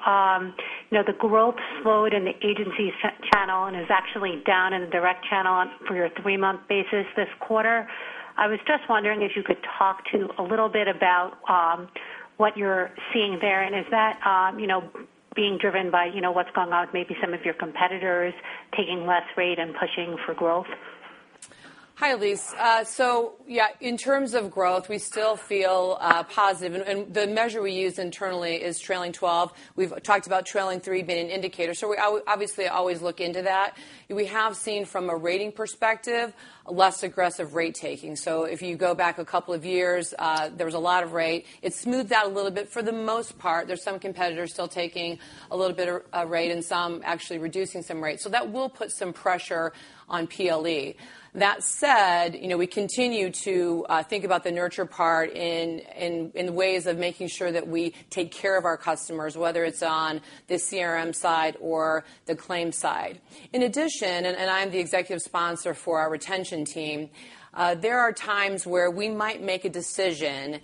Is actually down in the direct channel for your three-month basis this quarter. I was just wondering if you could talk to a little bit about what you're seeing there. Is that being driven by what's going on with maybe some of your competitors taking less rate and pushing for growth? Hi, Elyse. Yeah, in terms of growth, we still feel positive. The measure we use internally is trailing 12. We've talked about trailing three being an indicator, we obviously always look into that. We have seen from a rating perspective, less aggressive rate taking. If you go back a couple of years, there was a lot of rate. It's smoothed out a little bit for the most part. There's some competitors still taking a little bit of rate. Some actually reducing some rate. That will put some pressure on PLE. That said, we continue to think about the nurture part in ways of making sure that we take care of our customers, whether it's on the CRM side or the claims side. In addition, I'm the executive sponsor for our retention team, there are times where we might make a decision,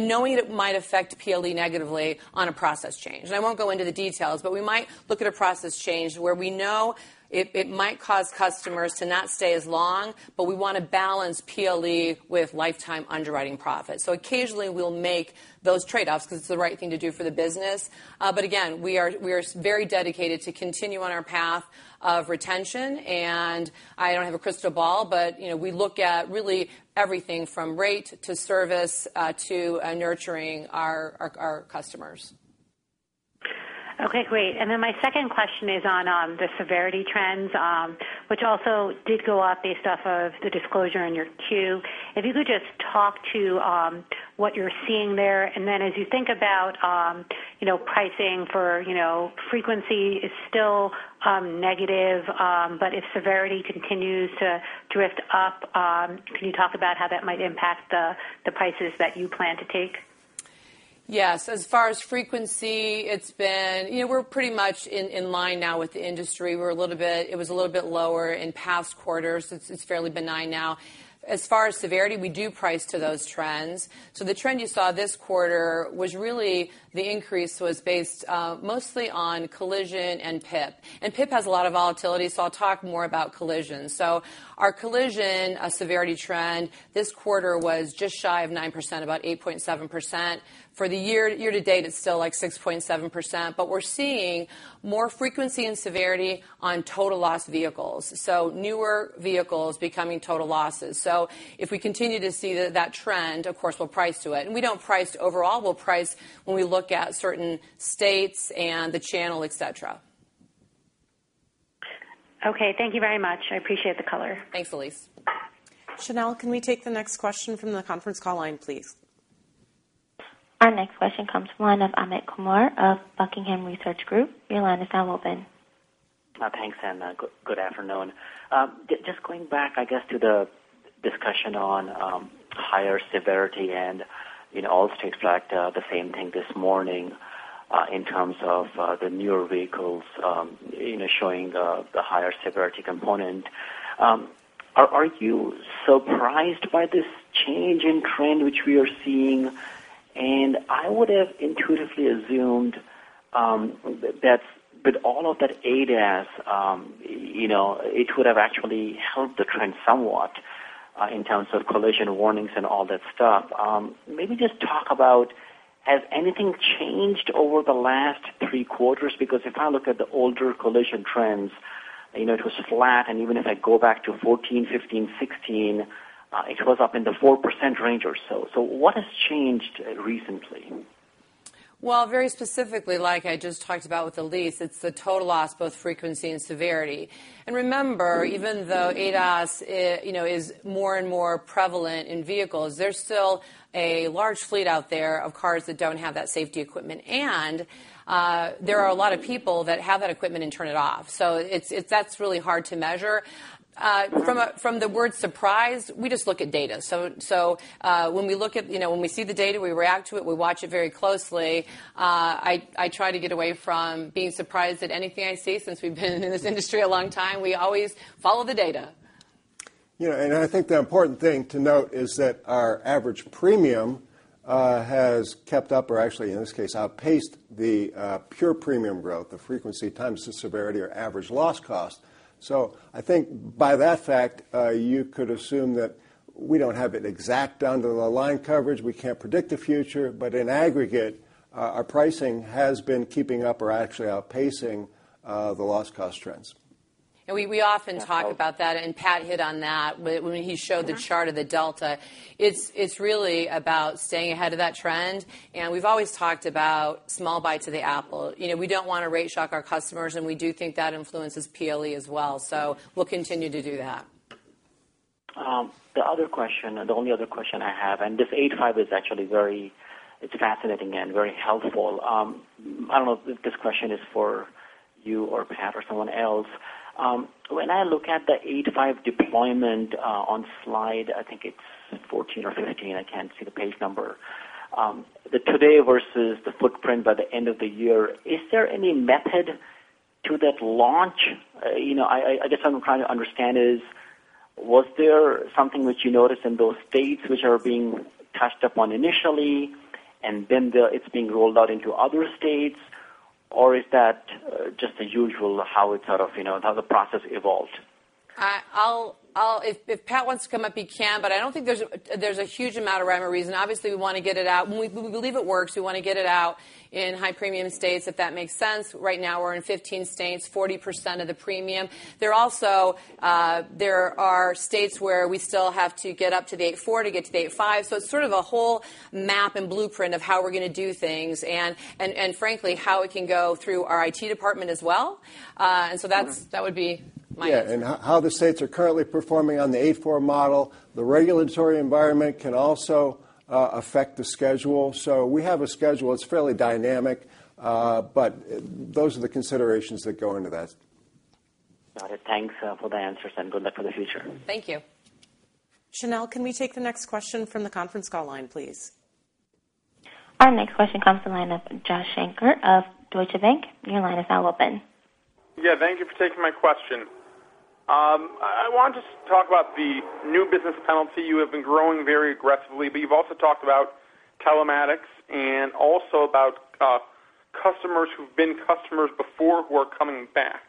knowing it might affect PLE negatively on a process change. I won't go into the details, we might look at a process change where we know it might cause customers to not stay as long, we want to balance PLE with lifetime underwriting profit. Occasionally, we'll make those trade-offs because it's the right thing to do for the business. Again, we are very dedicated to continue on our path of retention, I don't have a crystal ball, but we look at really everything from rate to service to nurturing our customers. Okay, great. My second question is on the severity trends, which also did go up based off of the disclosure in your Q. If you could just talk to what you're seeing there, and then as you think about pricing for frequency is still negative, but if severity continues to drift up, can you talk about how that might impact the prices that you plan to take? Yes. As far as frequency, we're pretty much in line now with the industry. It was a little bit lower in past quarters. It's fairly benign now. As far as severity, we do price to those trends. The trend you saw this quarter was really the increase was based mostly on collision and PIP. PIP has a lot of volatility, so I'll talk more about collision. Our collision severity trend this quarter was just shy of 9%, about 8.7%. For the year to date, it's still like 6.7%, but we're seeing more frequency and severity on total loss vehicles. Newer vehicles becoming total losses. If we continue to see that trend, of course we'll price to it. We don't price overall. We'll price when we look at certain states and the channel, et cetera. Okay, thank you very much. I appreciate the color. Thanks, Elyse. Chanel, can we take the next question from the conference call line, please? Our next question comes from the line of Amit Kumar of The Buckingham Research Group. Your line is now open. Thanks. Good afternoon. Just going back, I guess, to the discussion on higher severity and Allstate tracked the same thing this morning in terms of the newer vehicles showing the higher severity component. Are you surprised by this change in trend which we are seeing? I would have intuitively assumed that with all of that ADAS, it would have actually helped the trend somewhat in terms of collision warnings and all that stuff. Maybe just talk about, has anything changed over the last three quarters? If I look at the older collision trends, it was flat, and even if I go back to 2014, 2015, 2016, it was up in the 4% range or so. What has changed recently? Well, very specifically, like I just talked about with Elyse, it's the total loss, both frequency and severity. Remember, even though ADAS is more and more prevalent in vehicles, there's still a large fleet out there of cars that don't have that safety equipment. There are a lot of people that have that equipment and turn it off. That's really hard to measure. From the word surprise, we just look at data. When we see the data, we react to it. We watch it very closely. I try to get away from being surprised at anything I see since we've been in this industry a long time. We always follow the data. Yeah, I think the important thing to note is that our average premium has kept up or actually, in this case, outpaced the pure premium growth, the frequency times the severity or average loss cost. I think by that fact, you could assume that we don't have it exact down to the line coverage. We can't predict the future, but in aggregate, our pricing has been keeping up or actually outpacing the loss cost trends. We often talk about that. Pat hit on that when he showed the chart of the delta. It's really about staying ahead of that trend. We've always talked about small bites of the apple. We don't want to rate shock our customers. We do think that influences PLE as well. We'll continue to do that. The only other question I have. This 8-5 is actually very fascinating and very helpful. I don't know if this question is for you or Pat or someone else. When I look at the 8-5 deployment on slide, I think it's 14 or 15, I can't see the page number, the today versus the footprint by the end of the year. Is there any method to that launch? I guess what I'm trying to understand is, was there something which you noticed in those states which are being touched upon initially? Then it's being rolled out into other states? Is that just the usual how the process evolved? If Pat wants to come up, he can. I don't think there's a huge amount of rhyme or reason. Obviously, we want to get it out. We believe it works. We want to get it out in high premium states, if that makes sense. Right now, we're in 15 states, 40% of the premium. There are states where we still have to get up to the 8-4 to get to the 8-5. It's sort of a whole map and blueprint of how we're going to do things. Frankly, how it can go through our IT department as well. That would be my. How the states are currently performing on the 8-4 model. The regulatory environment can also affect the schedule. We have a schedule. It's fairly dynamic. Those are the considerations that go into that. Got it. Thanks for the answers and good luck for the future. Thank you. Chanel, can we take the next question from the conference call line, please? Our next question comes from the line of Joshua Shanker of Deutsche Bank. Your line is now open. Yeah, thank you for taking my question. I want to talk about the new business penalty. You have been growing very aggressively, but you've also talked about telematics and also about customers who've been customers before who are coming back.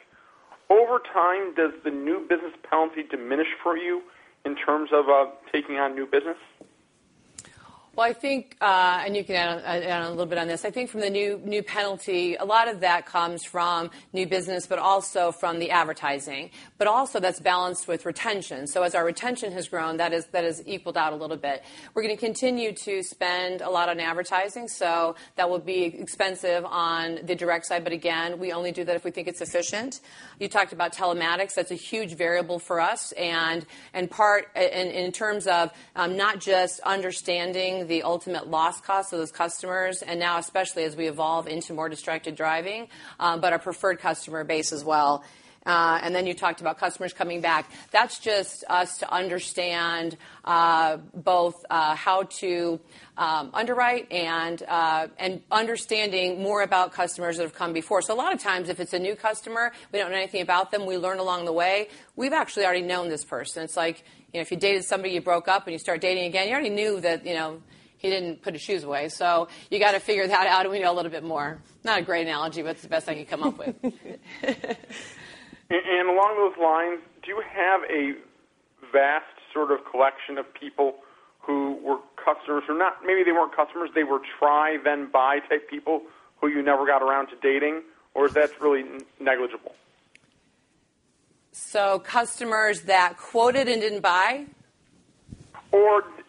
Over time, does the new business penalty diminish for you in terms of taking on new business? Well, I think, you can add a little bit on this. I think from the new penalty, a lot of that comes from new business, but also from the advertising. That's balanced with retention. As our retention has grown, that has equaled out a little bit. We're going to continue to spend a lot on advertising, that will be expensive on the direct side, but again, we only do that if we think it's efficient. You talked about telematics. That's a huge variable for us and in terms of not just understanding the ultimate loss cost of those customers, and now especially as we evolve into more distracted driving, but our preferred customer base as well. You talked about customers coming back. That's just us to understand both how to underwrite and understanding more about customers that have come before. A lot of times, if it's a new customer, we don't know anything about them. We learn along the way. We've actually already known this person. It's like if you dated somebody, you broke up, you start dating again, you already knew that he didn't put his shoes away. You got to figure that out a little bit more. Not a great analogy, but it's the best I can come up with. Along those lines, do you have a vast sort of collection of people who were customers who maybe they weren't customers, they were try then buy type people who you never got around to dating? Is that really negligible? Customers that quoted and didn't buy?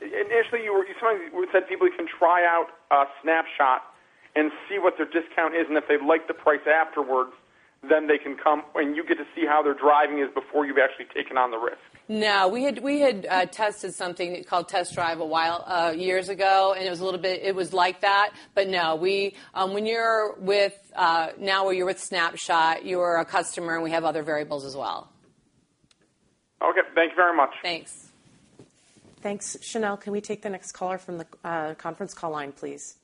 Initially, you said people can try out Snapshot and see what their discount is, and if they like the price afterwards, then they can come and you get to see how their driving is before you've actually taken on the risk. No, we had tested something called Test Drive years ago, and it was like that. Now when you're with Snapshot, you are a customer, and we have other variables as well. Okay. Thank you very much. Thanks. Thanks. Chanel, can we take the next caller from the conference call line, please?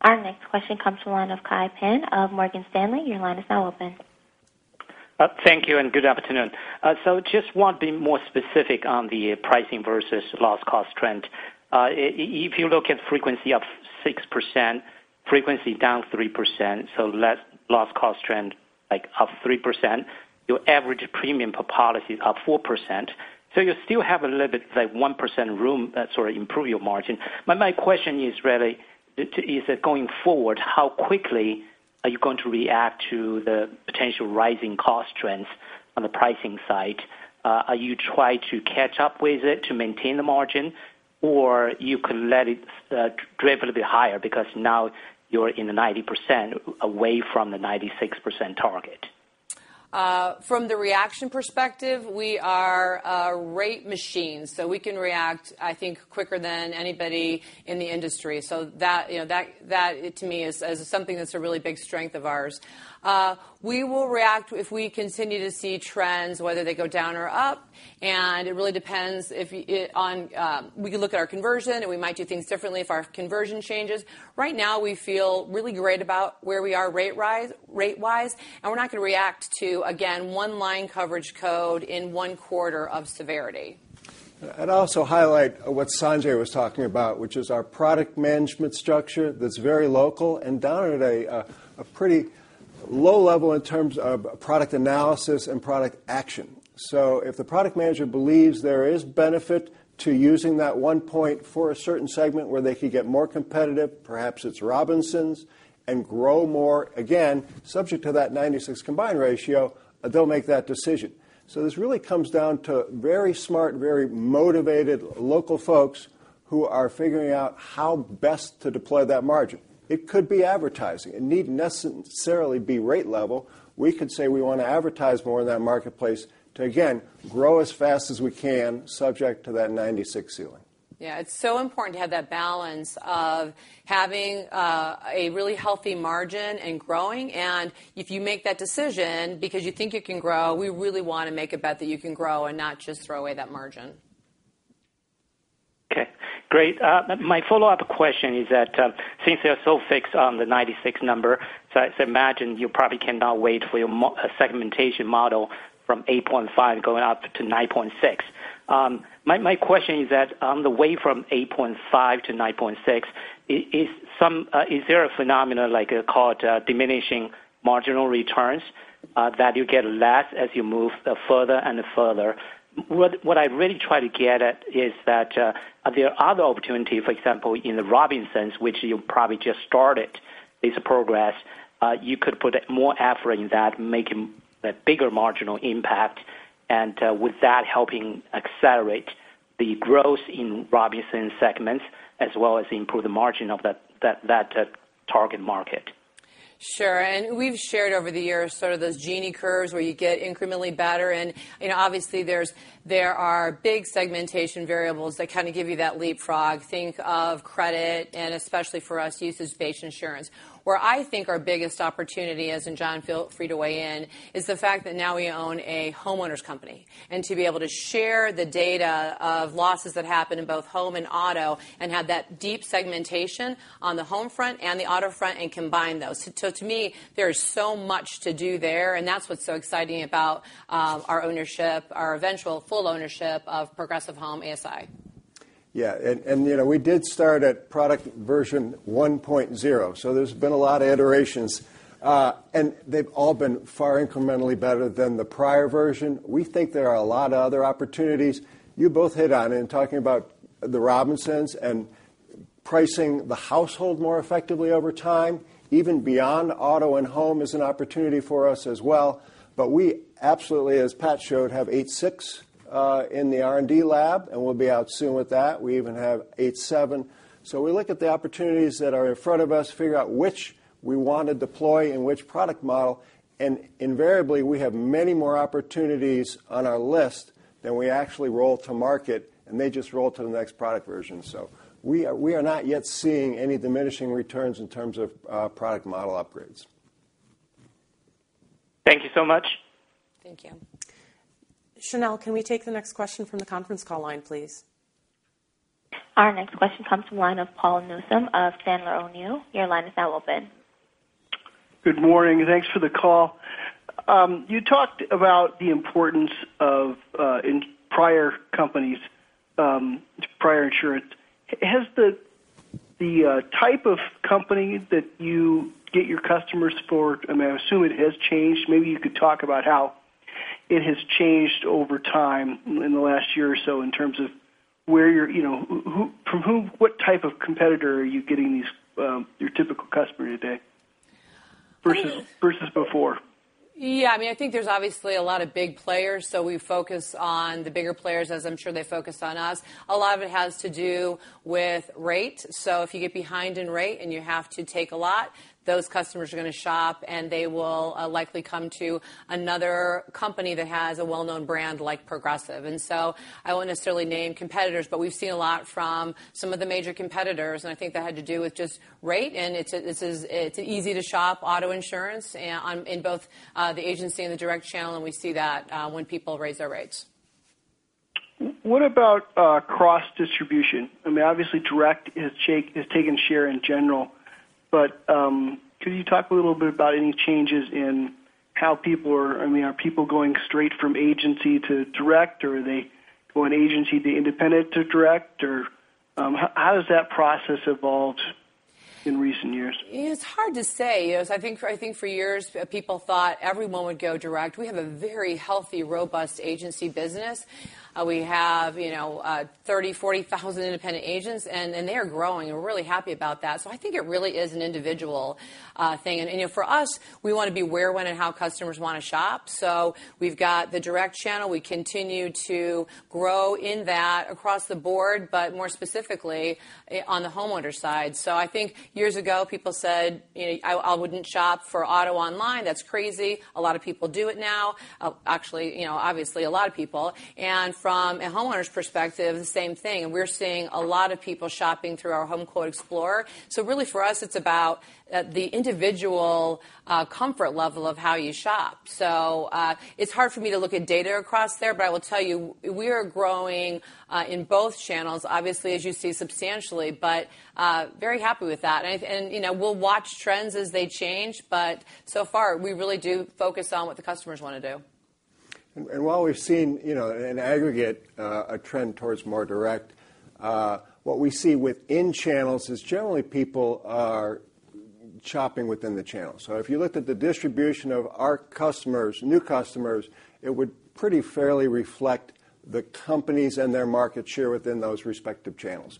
Our next question comes from the line of Kai Pan of Morgan Stanley. Your line is now open. Thank you and good afternoon. Just want to be more specific on the pricing versus loss cost trend. If you look at frequency of 6%, frequency down 3%, net loss cost trend, like up 3%, your average premium per policy is up 4%. You still have a little bit, like 1% room, sort of improve your margin. My question is really, is it going forward, how quickly are you going to react to the potential rising cost trends on the pricing side? Are you trying to catch up with it to maintain the margin, or you could let it drive a little bit higher because now you're in the 90% away from the 96% target? From the reaction perspective, we are a rate machine. We can react, I think, quicker than anybody in the industry. That, to me, is something that's a really big strength of ours. We will react if we continue to see trends, whether they go down or up, and it really depends. We can look at our conversion, and we might do things differently if our conversion changes. Right now, we feel really great about where we are rate-wise, and we're not going to react to, again, one line coverage code in one quarter of severity. I'd also highlight what Sanjay was talking about, which is our product management structure that's very local and down at a pretty low level in terms of product analysis and product action. If the product manager believes there is benefit to using that one point for a certain segment where they could get more competitive, perhaps it's Robinsons, and grow more, again, subject to that 96 combined ratio, they'll make that decision. This really comes down to very smart, very motivated local folks who are figuring out how best to deploy that margin. It could be advertising. It need necessarily be rate level. We could say we want to advertise more in that marketplace to again, grow as fast as we can, subject to that 96 ceiling. Yeah. It's so important to have that balance of having a really healthy margin and growing, and if you make that decision because you think you can grow, we really want to make a bet that you can grow and not just throw away that margin. Okay. Great. My follow-up question is that since you are so fixed on the 96 number, so I imagine you probably cannot wait for your segmentation model from 8.5 going up to 9.6. My question is that on the way from 8.5 to 9.6, is there a phenomenon like called diminishing marginal returns that you get less as you move further and further? What I really try to get at is that are there other opportunities, for example, in the Robinsons, which you probably just started this progress, you could put more effort in that, making a bigger marginal impact, and with that helping accelerate the growth in Robinsons segments as well as improve the margin of that target market? Sure. We've shared over the years sort of those Gini curves where you get incrementally better, and obviously there are big segmentation variables that kind of give you that leapfrog. Think of credit and especially for us, usage-based insurance. Where I think our biggest opportunity is, and John feel free to weigh in, is the fact that now we own a homeowners company, and to be able to share the data of losses that happen in both home and auto and have that deep segmentation on the home front and the auto front and combine those. To me, there is so much to do there, and that's what's so exciting about our ownership, our eventual full ownership of Progressive Home ASI. Yeah. We did start at product version 1.0, there's been a lot of iterations, and they've all been far incrementally better than the prior version. We think there are a lot of other opportunities. You both hit on it in talking about the Robinsons and pricing the household more effectively over time, even beyond auto and home is an opportunity for us as well. We absolutely, as Pat showed, have 8.6 in the R&D lab, and we'll be out soon with that. We even have 8.7. We look at the opportunities that are in front of us, figure out which we want to deploy in which product model, and invariably, we have many more opportunities on our list than we actually roll to market, and they just roll to the next product version. We are not yet seeing any diminishing returns in terms of product model upgrades. Thank you so much. Thank you. Chanel, can we take the next question from the conference call line, please? Our next question comes from the line of Paul Newsome of Sandler O'Neill. Your line is now open. Good morning. Thanks for the call. You talked about the importance of prior companies, prior insurance. Has the type of company that you get your customers for, I assume it has changed. Maybe you could talk about how it has changed over time in the last year or so in terms of what type of competitor are you getting your typical customer today versus before? Yeah. I think there's obviously a lot of big players, so we focus on the bigger players, as I'm sure they focus on us. A lot of it has to do with rate. If you get behind in rate and you have to take a lot, those customers are going to shop, and they will likely come to another company that has a well-known brand like Progressive. I won't necessarily name competitors, but we've seen a lot from some of the major competitors, and I think that had to do with just rate, and it's easy to shop auto insurance in both the agency and the direct channel, and we see that when people raise their rates. What about cross-distribution? I mean, obviously direct has taken share in general, could you talk a little bit about any changes in how are people going straight from agency to direct, or are they going agency to independent to direct, or how has that process evolved in recent years? It's hard to say. I think for years people thought everyone would go direct. We have a very healthy, robust agency business. We have 30,000, 40,000 independent agents, they are growing. We're really happy about that. I think it really is an individual thing. For us, we want to be where, when, and how customers want to shop. We've got the direct channel. We continue to grow in that across the board, more specifically, on the homeowner side. I think years ago, people said, "I wouldn't shop for auto online. That's crazy." A lot of people do it now. Actually, obviously, a lot of people. From a homeowner's perspective, the same thing. We're seeing a lot of people shopping through our Home Quote Explorer. Really for us, it's about the individual comfort level of how you shop. It's hard for me to look at data across there, I will tell you we are growing in both channels, obviously, as you see, substantially, very happy with that. We'll watch trends as they change, so far we really do focus on what the customers want to do. While we've seen in aggregate a trend towards more direct, what we see within channels is generally people are shopping within the channel. If you looked at the distribution of our customers, new customers, it would pretty fairly reflect the companies and their market share within those respective channels.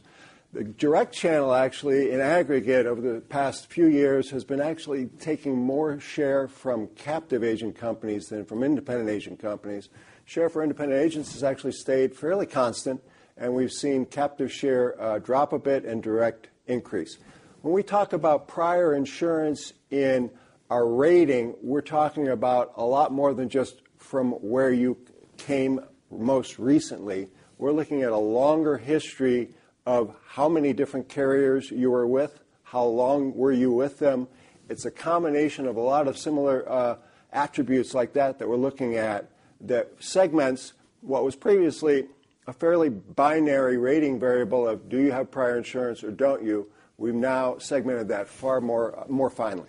The direct channel actually, in aggregate over the past few years, has been actually taking more share from captive agent companies than from independent agent companies. Share for independent agents has actually stayed fairly constant, we've seen captive share drop a bit and direct increase. When we talk about prior insurance in our rating, we're talking about a lot more than just from where you came most recently. We're looking at a longer history of how many different carriers you were with, how long were you with them. It's a combination of a lot of similar attributes like that that we're looking at that segments what was previously a fairly binary rating variable of do you have prior insurance or don't you? We've now segmented that far more finely.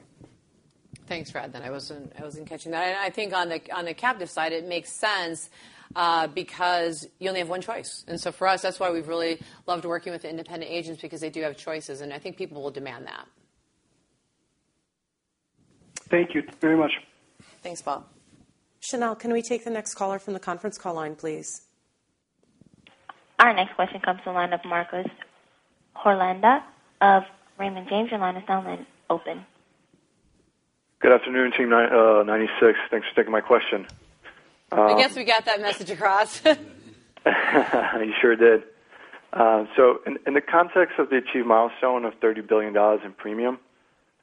Thanks, John. I wasn't catching that. I think on the captive side, it makes sense because you only have one choice. For us, that's why we've really loved working with independent agents because they do have choices, and I think people will demand that. Thank you very much. Thanks, Paul. Chanel, can we take the next caller from the conference call line, please? Our next question comes from the line of Marcos Holanda of Raymond James. Your line is now open. Good afternoon, Team 96. Thanks for taking my question. I guess we got that message across. You sure did. In the context of the achieved milestone of $30 billion in premium,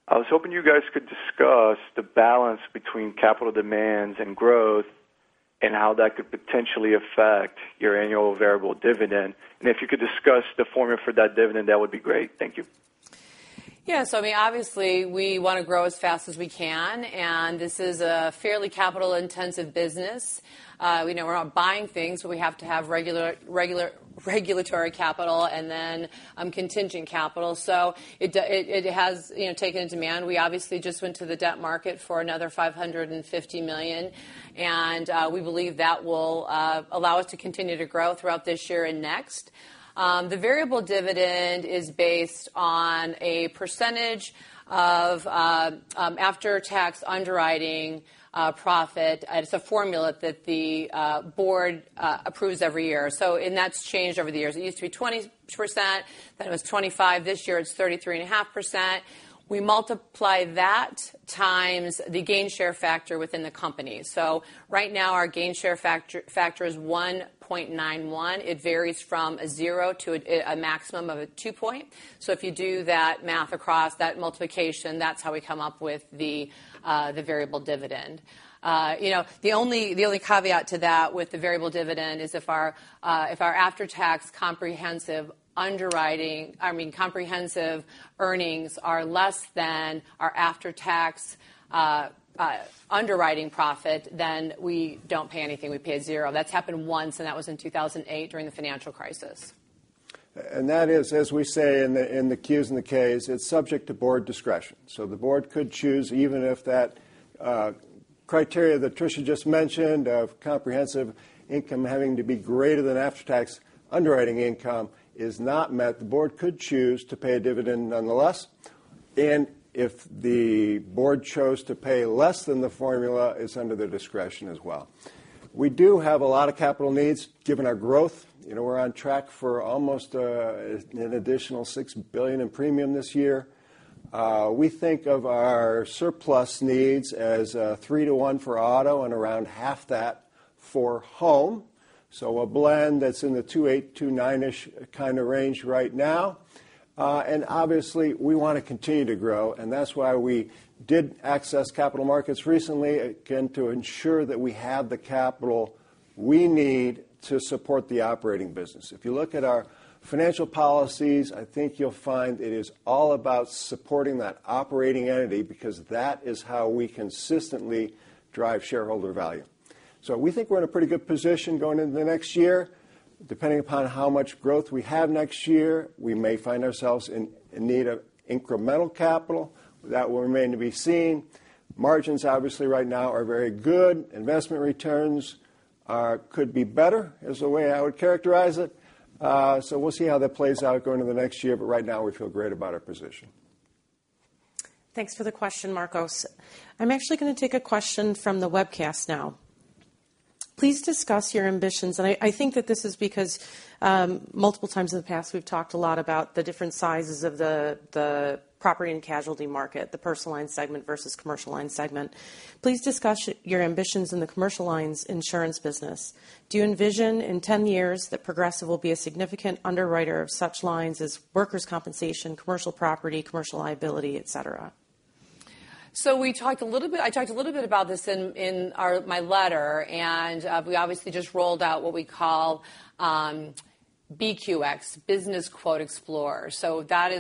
I was hoping you guys could discuss the balance between capital demands and growth and how that could potentially affect your annual variable dividend. If you could discuss the formula for that dividend, that would be great. Thank you. Yeah. Obviously, we want to grow as fast as we can, and this is a fairly capital-intensive business. We're not buying things, but we have to have regulatory capital and then contingent capital. It has taken a demand. We obviously just went to the debt market for another $550 million, and we believe that will allow us to continue to grow throughout this year and next. The variable dividend is based on a percentage of after-tax underwriting profit. It's a formula that the board approves every year. That's changed over the years. It used to be 20%, then it was 25. This year it's 33.5%. We multiply that times the Gainshare factor within the company. Right now our Gainshare factor is 1.91. It varies from a zero to a maximum of a two point. If you do that math across that multiplication, that's how we come up with the variable dividend. The only caveat to that with the variable dividend is if our after-tax comprehensive underwriting, I mean comprehensive earnings are less than our after-tax underwriting profit, then we don't pay anything. We pay zero. That's happened once, and that was in 2008 during the financial crisis. That is, as we say in the Qs and the Ks, it's subject to board discretion. The board could choose, even if that criteria that Tricia just mentioned of comprehensive income having to be greater than after-tax underwriting income is not met, the board could choose to pay a dividend nonetheless. If the board chose to pay less than the formula, it's under their discretion as well. We do have a lot of capital needs given our growth. We're on track for almost an additional $6 billion in premium this year. We think of our surplus needs as three to one for auto and around half that for home. A blend that's in the two eight, two nine-ish kind of range right now. Obviously, we want to continue to grow, and that's why we did access capital markets recently, again, to ensure that we have the capital we need to support the operating business. If you look at our financial policies, I think you'll find it is all about supporting that operating entity because that is how we consistently drive shareholder value. We think we're in a pretty good position going into the next year. Depending upon how much growth we have next year, we may find ourselves in need of incremental capital. That will remain to be seen. Margins, obviously right now are very good. Investment returns could be better, is the way I would characterize it. We'll see how that plays out going to the next year, but right now we feel great about our position. Thanks for the question, Marcos. I'm actually going to take a question from the webcast now. Please discuss your ambitions. I think that this is because, multiple times in the past we've talked a lot about the different sizes of the property and casualty market, the personal line segment versus commercial line segment. Please discuss your ambitions in the commercial lines insurance business. Do you envision in 10 years that Progressive will be a significant underwriter of such lines as workers' compensation, commercial property, commercial liability, et cetera? I talked a little bit about this in my letter, and We obviously just rolled out what we call BQX, BusinessQuote Explorer. That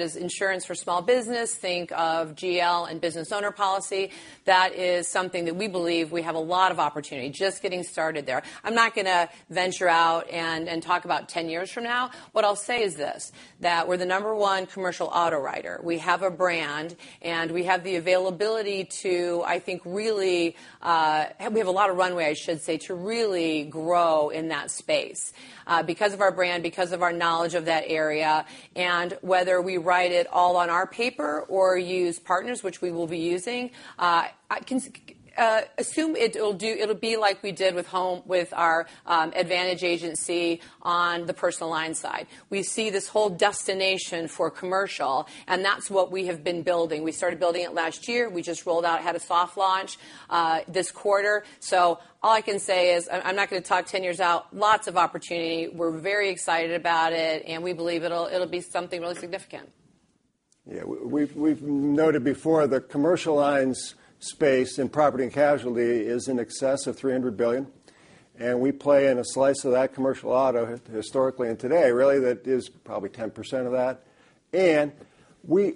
is insurance for small business. Think of GL and business owner policy. That is something that we believe we have a lot of opportunity. Just getting started there. I'm not going to venture out and talk about 10 years from now. What I'll say is this, that we're the number one commercial auto writer. We have a brand and we have the availability to, I think, really We have a lot of runway, I should say, to really grow in that space. Because of our brand, because of our knowledge of that area, and whether we write it all on our paper or use partners, which we will be using. Assume it'll be like we did with Home with our Advantage Agency on the personal line side. We see this whole destination for commercial, and that's what we have been building. We started building it last year. We just rolled out, had a soft launch this quarter. All I can say is, I'm not going to talk 10 years out, lots of opportunity. We're very excited about it, and we believe it'll be something really significant. Yeah. We've noted before, the commercial lines space in property and casualty is in excess of $300 billion, we play in a slice of that commercial auto historically and today, really that is probably 10% of that. We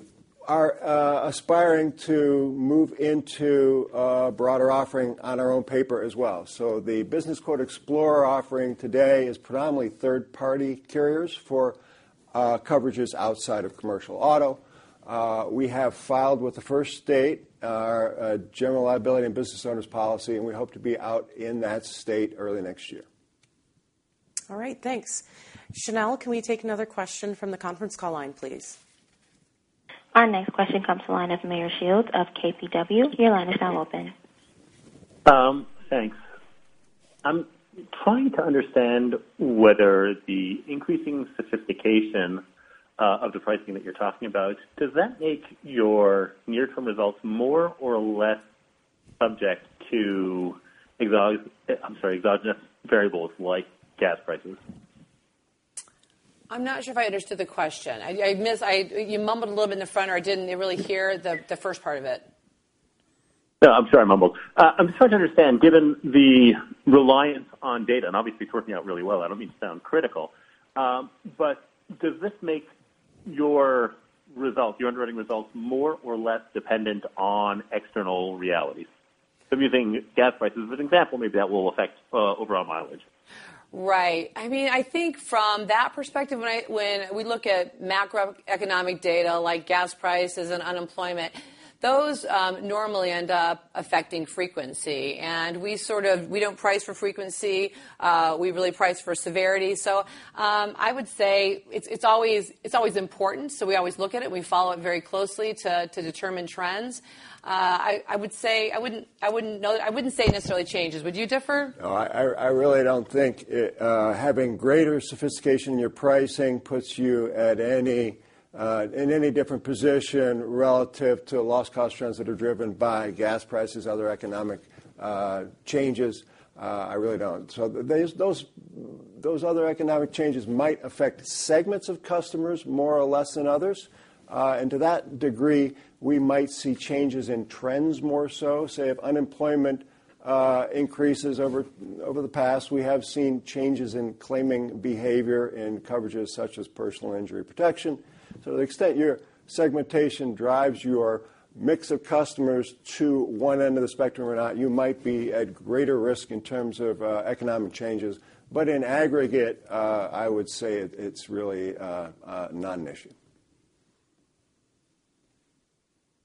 are aspiring to move into a broader offering on our own paper as well. The BusinessQuote Explorer offering today is predominantly third-party carriers for coverages outside of commercial auto. We have filed with the first state, general liability and business owners policy, and we hope to be out in that state early next year. All right, thanks. Chanel, can we take another question from the conference call line, please? Our next question comes to line of Meyer Shields of KBW. Your line is now open. Thanks. I'm trying to understand whether the increasing sophistication of the pricing that you're talking about, does that make your near-term results more or less subject to exogenous variables like gas prices? I'm not sure if I understood the question. You mumbled a little bit in the front or I didn't really hear the first part of it. I'm sorry I mumbled. I'm just trying to understand, given the reliance on data, and obviously it's working out really well, I don't mean to sound critical, but does this make your underwriting results more or less dependent on external realities? I'm using gas prices as an example, maybe that will affect overall mileage. Right. I think from that perspective, when we look at macroeconomic data like gas prices and unemployment, those normally end up affecting frequency, and we don't price for frequency, we really price for severity. I would say it's always important, so we always look at it and we follow it very closely to determine trends. I wouldn't say it necessarily changes. Would you differ? No, I really don't think having greater sophistication in your pricing puts you in any different position relative to loss cost trends that are driven by gas prices, other economic changes, I really don't. Those other economic changes might affect segments of customers more or less than others. To that degree, we might see changes in trends more so. Say, if unemployment increases over the past, we have seen changes in claiming behavior in coverages such as personal injury protection. To the extent your segmentation drives your mix of customers to one end of the spectrum or not, you might be at greater risk in terms of economic changes. In aggregate, I would say it's really a non-issue.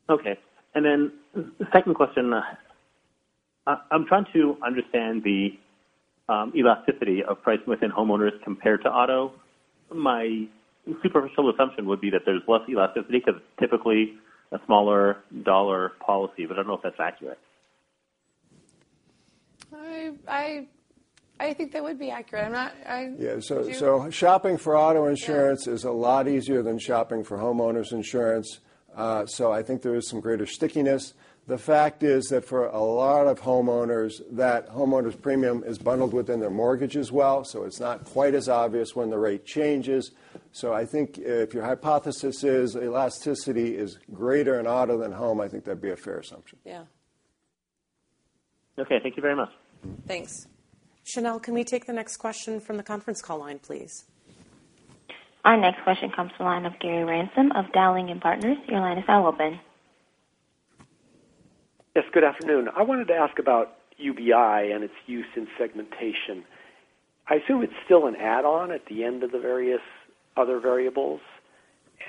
Okay. Then the second question. I'm trying to understand the elasticity of price within homeowners compared to auto. My superficial assumption would be that there's less elasticity because it's typically a smaller dollar policy, but I don't know if that's accurate. I think that would be accurate. Yeah. Shopping for auto insurance is a lot easier than shopping for homeowners insurance. I think there is some greater stickiness. The fact is that for a lot of homeowners, that homeowners premium is bundled within their mortgage as well, so it's not quite as obvious when the rate changes. I think if your hypothesis is elasticity is greater in auto than home, I think that'd be a fair assumption. Yeah. Okay. Thank you very much. Thanks. Chanel, can we take the next question from the conference call line, please? Our next question comes to the line of Gary Ransom of Dowling & Partners. Your line is now open. Yes, good afternoon. I wanted to ask about UBI and its use in segmentation. I assume it's still an add-on at the end of the various other variables.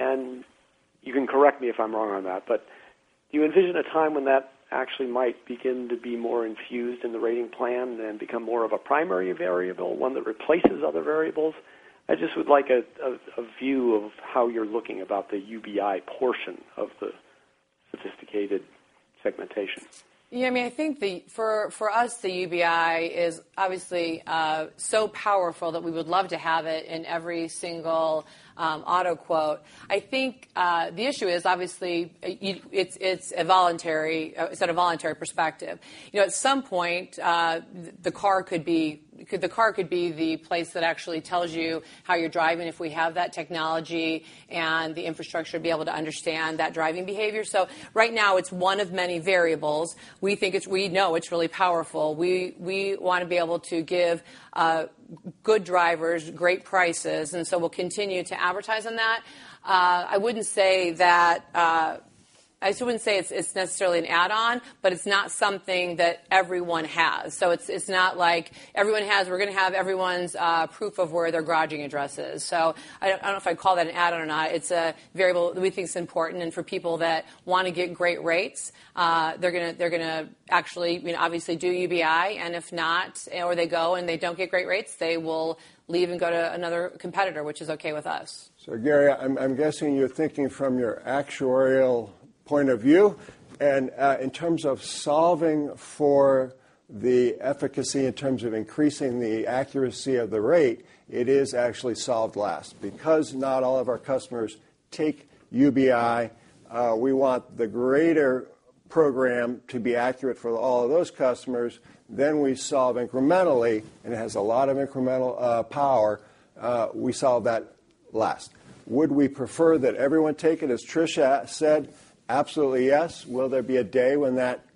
You can correct me if I'm wrong on that, do you envision a time when that actually might begin to be more infused in the rating plan than become more of a primary variable, one that replaces other variables? I just would like a view of how you're looking about the UBI portion of the sophisticated segmentation. I think for us, the UBI is obviously so powerful that we would love to have it in every single auto quote. I think the issue is obviously it's a voluntary perspective. At some point, the car could be the place that actually tells you how you're driving if we have that technology and the infrastructure to be able to understand that driving behavior. Right now, it's one of many variables. We know it's really powerful. We want to be able to give good drivers great prices, we'll continue to advertise on that. I still wouldn't say it's necessarily an add-on, it's not something that everyone has. It's not like we're going to have everyone's proof of where their garaging address is. I don't know if I'd call that an add-on or not. It's a variable that we think is important, and for people that want to get great rates, they're going to obviously do UBI, and if not, or they go and they don't get great rates, they will leave and go to another competitor, which is okay with us. Gary, I'm guessing you're thinking from your actuarial point of view, and in terms of solving for the efficacy in terms of increasing the accuracy of the rate, it is actually solved last. Because not all of our customers take UBI, we want the greater program to be accurate for all of those customers, then we solve incrementally, and it has a lot of incremental power. We solve that last. Would we prefer that everyone take it, as Tricia said? Absolutely yes. Will there be a day when that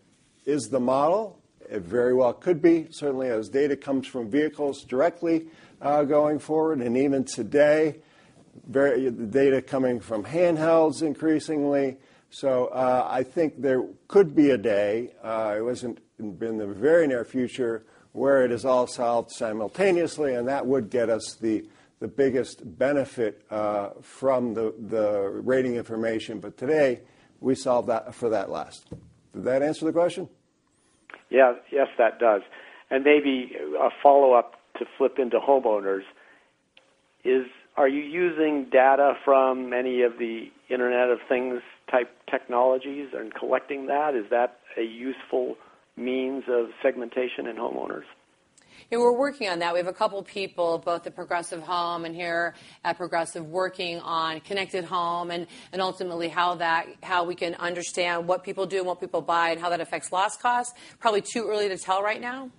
is the model? It very well could be. Certainly, as data comes from vehicles directly going forward, and even today, the data coming from handhelds increasingly. I think there could be a day, it wasn't in the very near future, where it is all solved simultaneously, and that would get us the biggest benefit from the rating information. Today, we solve for that last. Did that answer the question? Yes, that does. Maybe a follow-up to flip into homeowners is, are you using data from any of the Internet of things type technologies and collecting that? Is that a useful means of segmentation in homeowners? Yeah, we're working on that. We have a couple people, both at Progressive Home and here at Progressive, working on Connected Home and ultimately how we can understand what people do and what people buy and how that affects loss costs. Probably too early to tell right now.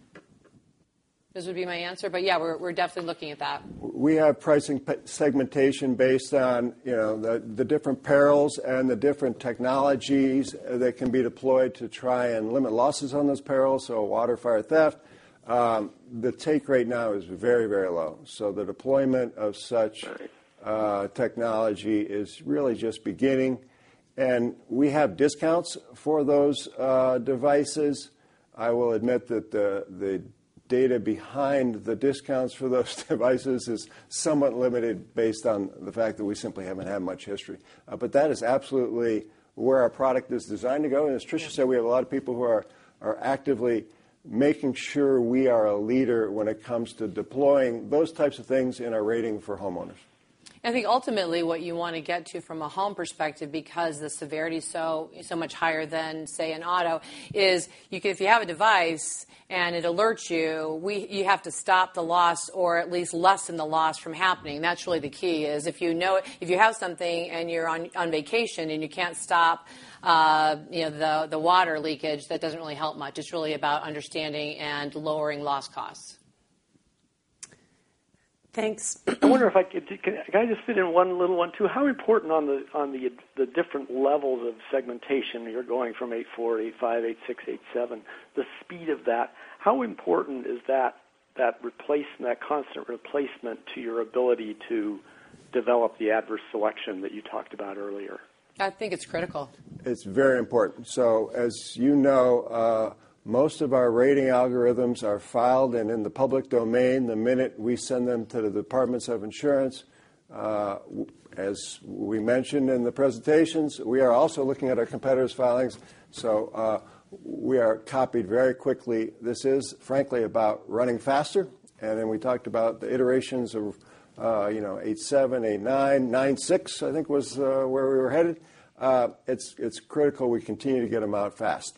This would be my answer, we're definitely looking at that. We have pricing segmentation based on the different perils and the different technologies that can be deployed to try and limit losses on those perils. Water, fire, theft. The take rate now is very low. The deployment of such technology is really just beginning, and we have discounts for those devices. I will admit that the data behind the discounts for those devices is somewhat limited based on the fact that we simply haven't had much history. That is absolutely where our product is designed to go, and as Tricia said, we have a lot of people who are actively making sure we are a leader when it comes to deploying those types of things in our rating for homeowners. I think ultimately what you want to get to from a home perspective, because the severity is so much higher than, say, in auto is, if you have a device and it alerts you have to stop the loss or at least lessen the loss from happening. That's really the key is if you have something and you're on vacation and you can't stop the water leakage, that doesn't really help much. It's really about understanding and lowering loss costs. Thanks. I wonder if I could just fit in one little one, too. How important on the different levels of segmentation, you're going from 8.4, 8.5, 8.6, 8.7, the speed of that, how important is that constant replacement to your ability to develop the adverse selection that you talked about earlier? I think it's critical. It's very important. As you know most of our rating algorithms are filed and in the public domain, the minute we send them to the departments of insurance. As we mentioned in the presentations, we are also looking at our competitors' filings, we are copied very quickly. This is frankly about running faster, we talked about the iterations of 8.7, 8.9.6, I think was where we were headed. It's critical we continue to get them out fast.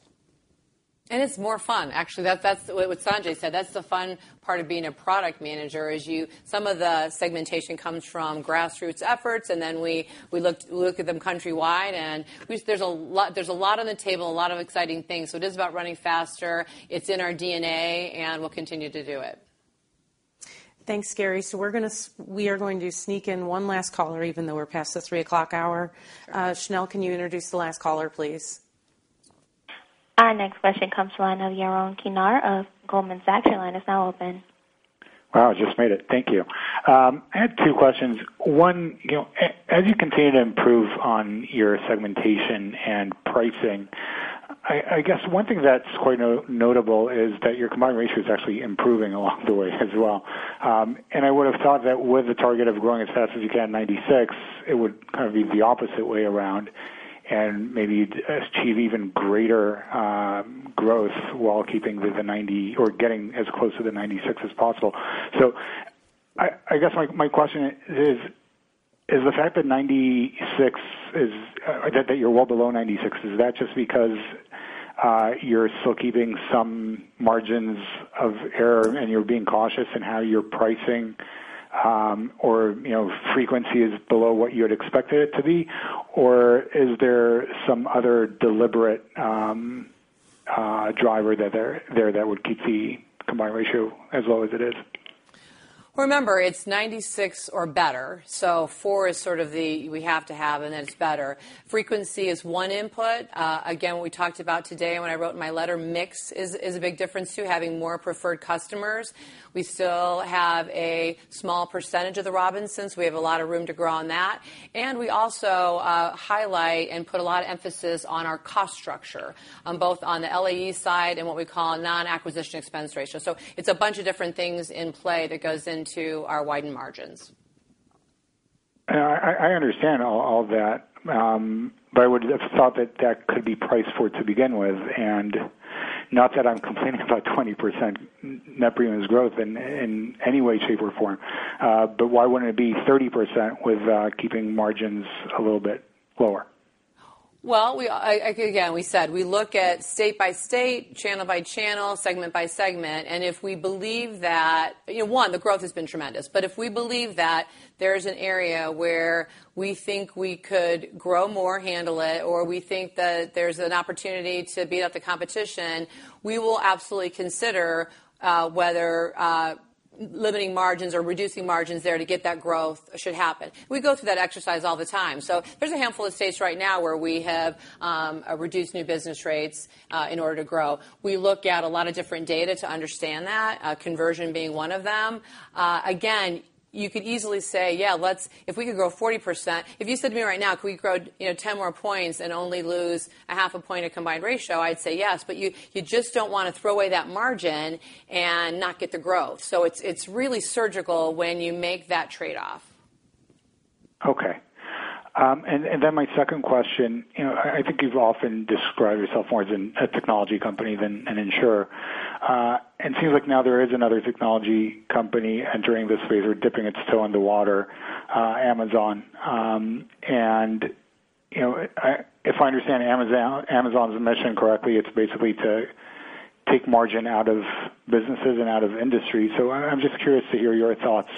It's more fun. Actually, that's what Sanjay said. That's the fun part of being a product manager is some of the segmentation comes from grassroots efforts, we look at them countrywide, there's a lot on the table, a lot of exciting things. It is about running faster. It's in our DNA, we'll continue to do it. Thanks, Gary. We are going to sneak in one last caller, even though we're past the 3:00 hour. Chanel, can you introduce the last caller, please? Our next question comes to line of Yaron Kinar of Goldman Sachs. Your line is now open. Wow, I just made it. Thank you. I had two questions. One, as you continue to improve on your segmentation and pricing, I guess one thing that's quite notable is that your combined ratio is actually improving along the way as well. I would've thought that with a target of growing as fast as you can, 96, it would kind of be the opposite way around and maybe achieve even greater growth while keeping with the 90 or getting as close to the 96 as possible. I guess my question is, the fact that you're well below 96, is that just because you're still keeping some margins of error and you're being cautious in how you're pricing or frequency is below what you had expected it to be? Is there some other deliberate driver there that would keep the combined ratio as low as it is? Remember, it's 96 or better. Four is sort of the we have to have and it's better. Frequency is one input. Again, what we talked about today and when I wrote in my letter, mix is a big difference too, having more preferred customers. We still have a small percentage of the Robinsons. We have a lot of room to grow on that. We also highlight and put a lot of emphasis on our cost structure, both on the LAE side and what we call non-acquisition expense ratio. It's a bunch of different things in play that goes into our widened margins. I understand all that. I would have thought that that could be priced for it to begin with, and not that I'm complaining about 20% net premiums growth in any way, shape, or form. Why wouldn't it be 30% with keeping margins a little bit lower? Again, we said we look at state by state, channel by channel, segment by segment, and if we believe that, one, the growth has been tremendous. If we believe that there's an area where we think we could grow more, handle it, or we think that there's an opportunity to beat up the competition, we will absolutely consider whether limiting margins or reducing margins there to get that growth should happen. We go through that exercise all the time. There's a handful of states right now where we have reduced new business rates in order to grow. We look at a lot of different data to understand that, conversion being one of them. Again, you could easily say, if you said to me right now, could we grow 10 more points and only lose a half a point of combined ratio, I'd say yes, but you just don't want to throw away that margin and not get the growth. It's really surgical when you make that trade-off. My second question, I think you've often described yourself more as a technology company than an insurer. It seems like now there is another technology company entering this phase or dipping its toe on the water, Amazon. If I understand Amazon's mission correctly, it's basically to take margin out of businesses and out of industry. I'm just curious to hear your thoughts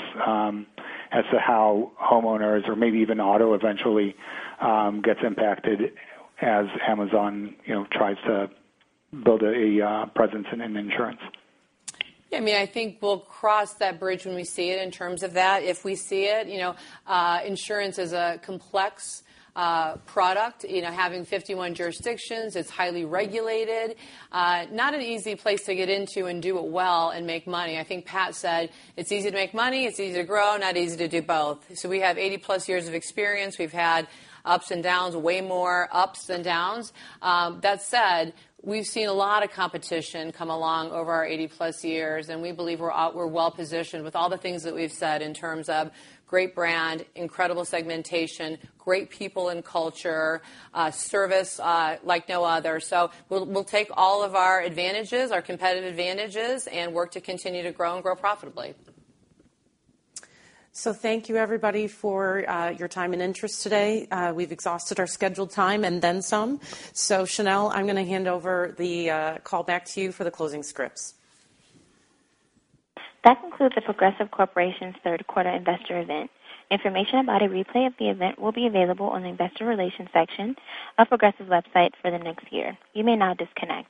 as to how homeowners or maybe even auto eventually gets impacted as Amazon tries to build a presence in insurance. I think we'll cross that bridge when we see it in terms of that, if we see it. Insurance is a complex product. Having 51 jurisdictions, it's highly regulated. Not an easy place to get into and do it well and make money. I think Pat said it's easy to make money, it's easy to grow, not easy to do both. We have 80-plus years of experience. We've had ups and downs, way more ups than downs. That said, we've seen a lot of competition come along over our 80-plus years, and we believe we're well-positioned with all the things that we've said in terms of great brand, incredible segmentation, great people and culture, service like no other. We'll take all of our advantages, our competitive advantages, and work to continue to grow and grow profitably. Thank you everybody for your time and interest today. We've exhausted our scheduled time and then some. Chanel, I'm going to hand over the call back to you for the closing scripts. That concludes The Progressive Corporation third quarter investor event. Information about a replay of the event will be available on the investor relations section of Progressive's website for the next year. You may now disconnect.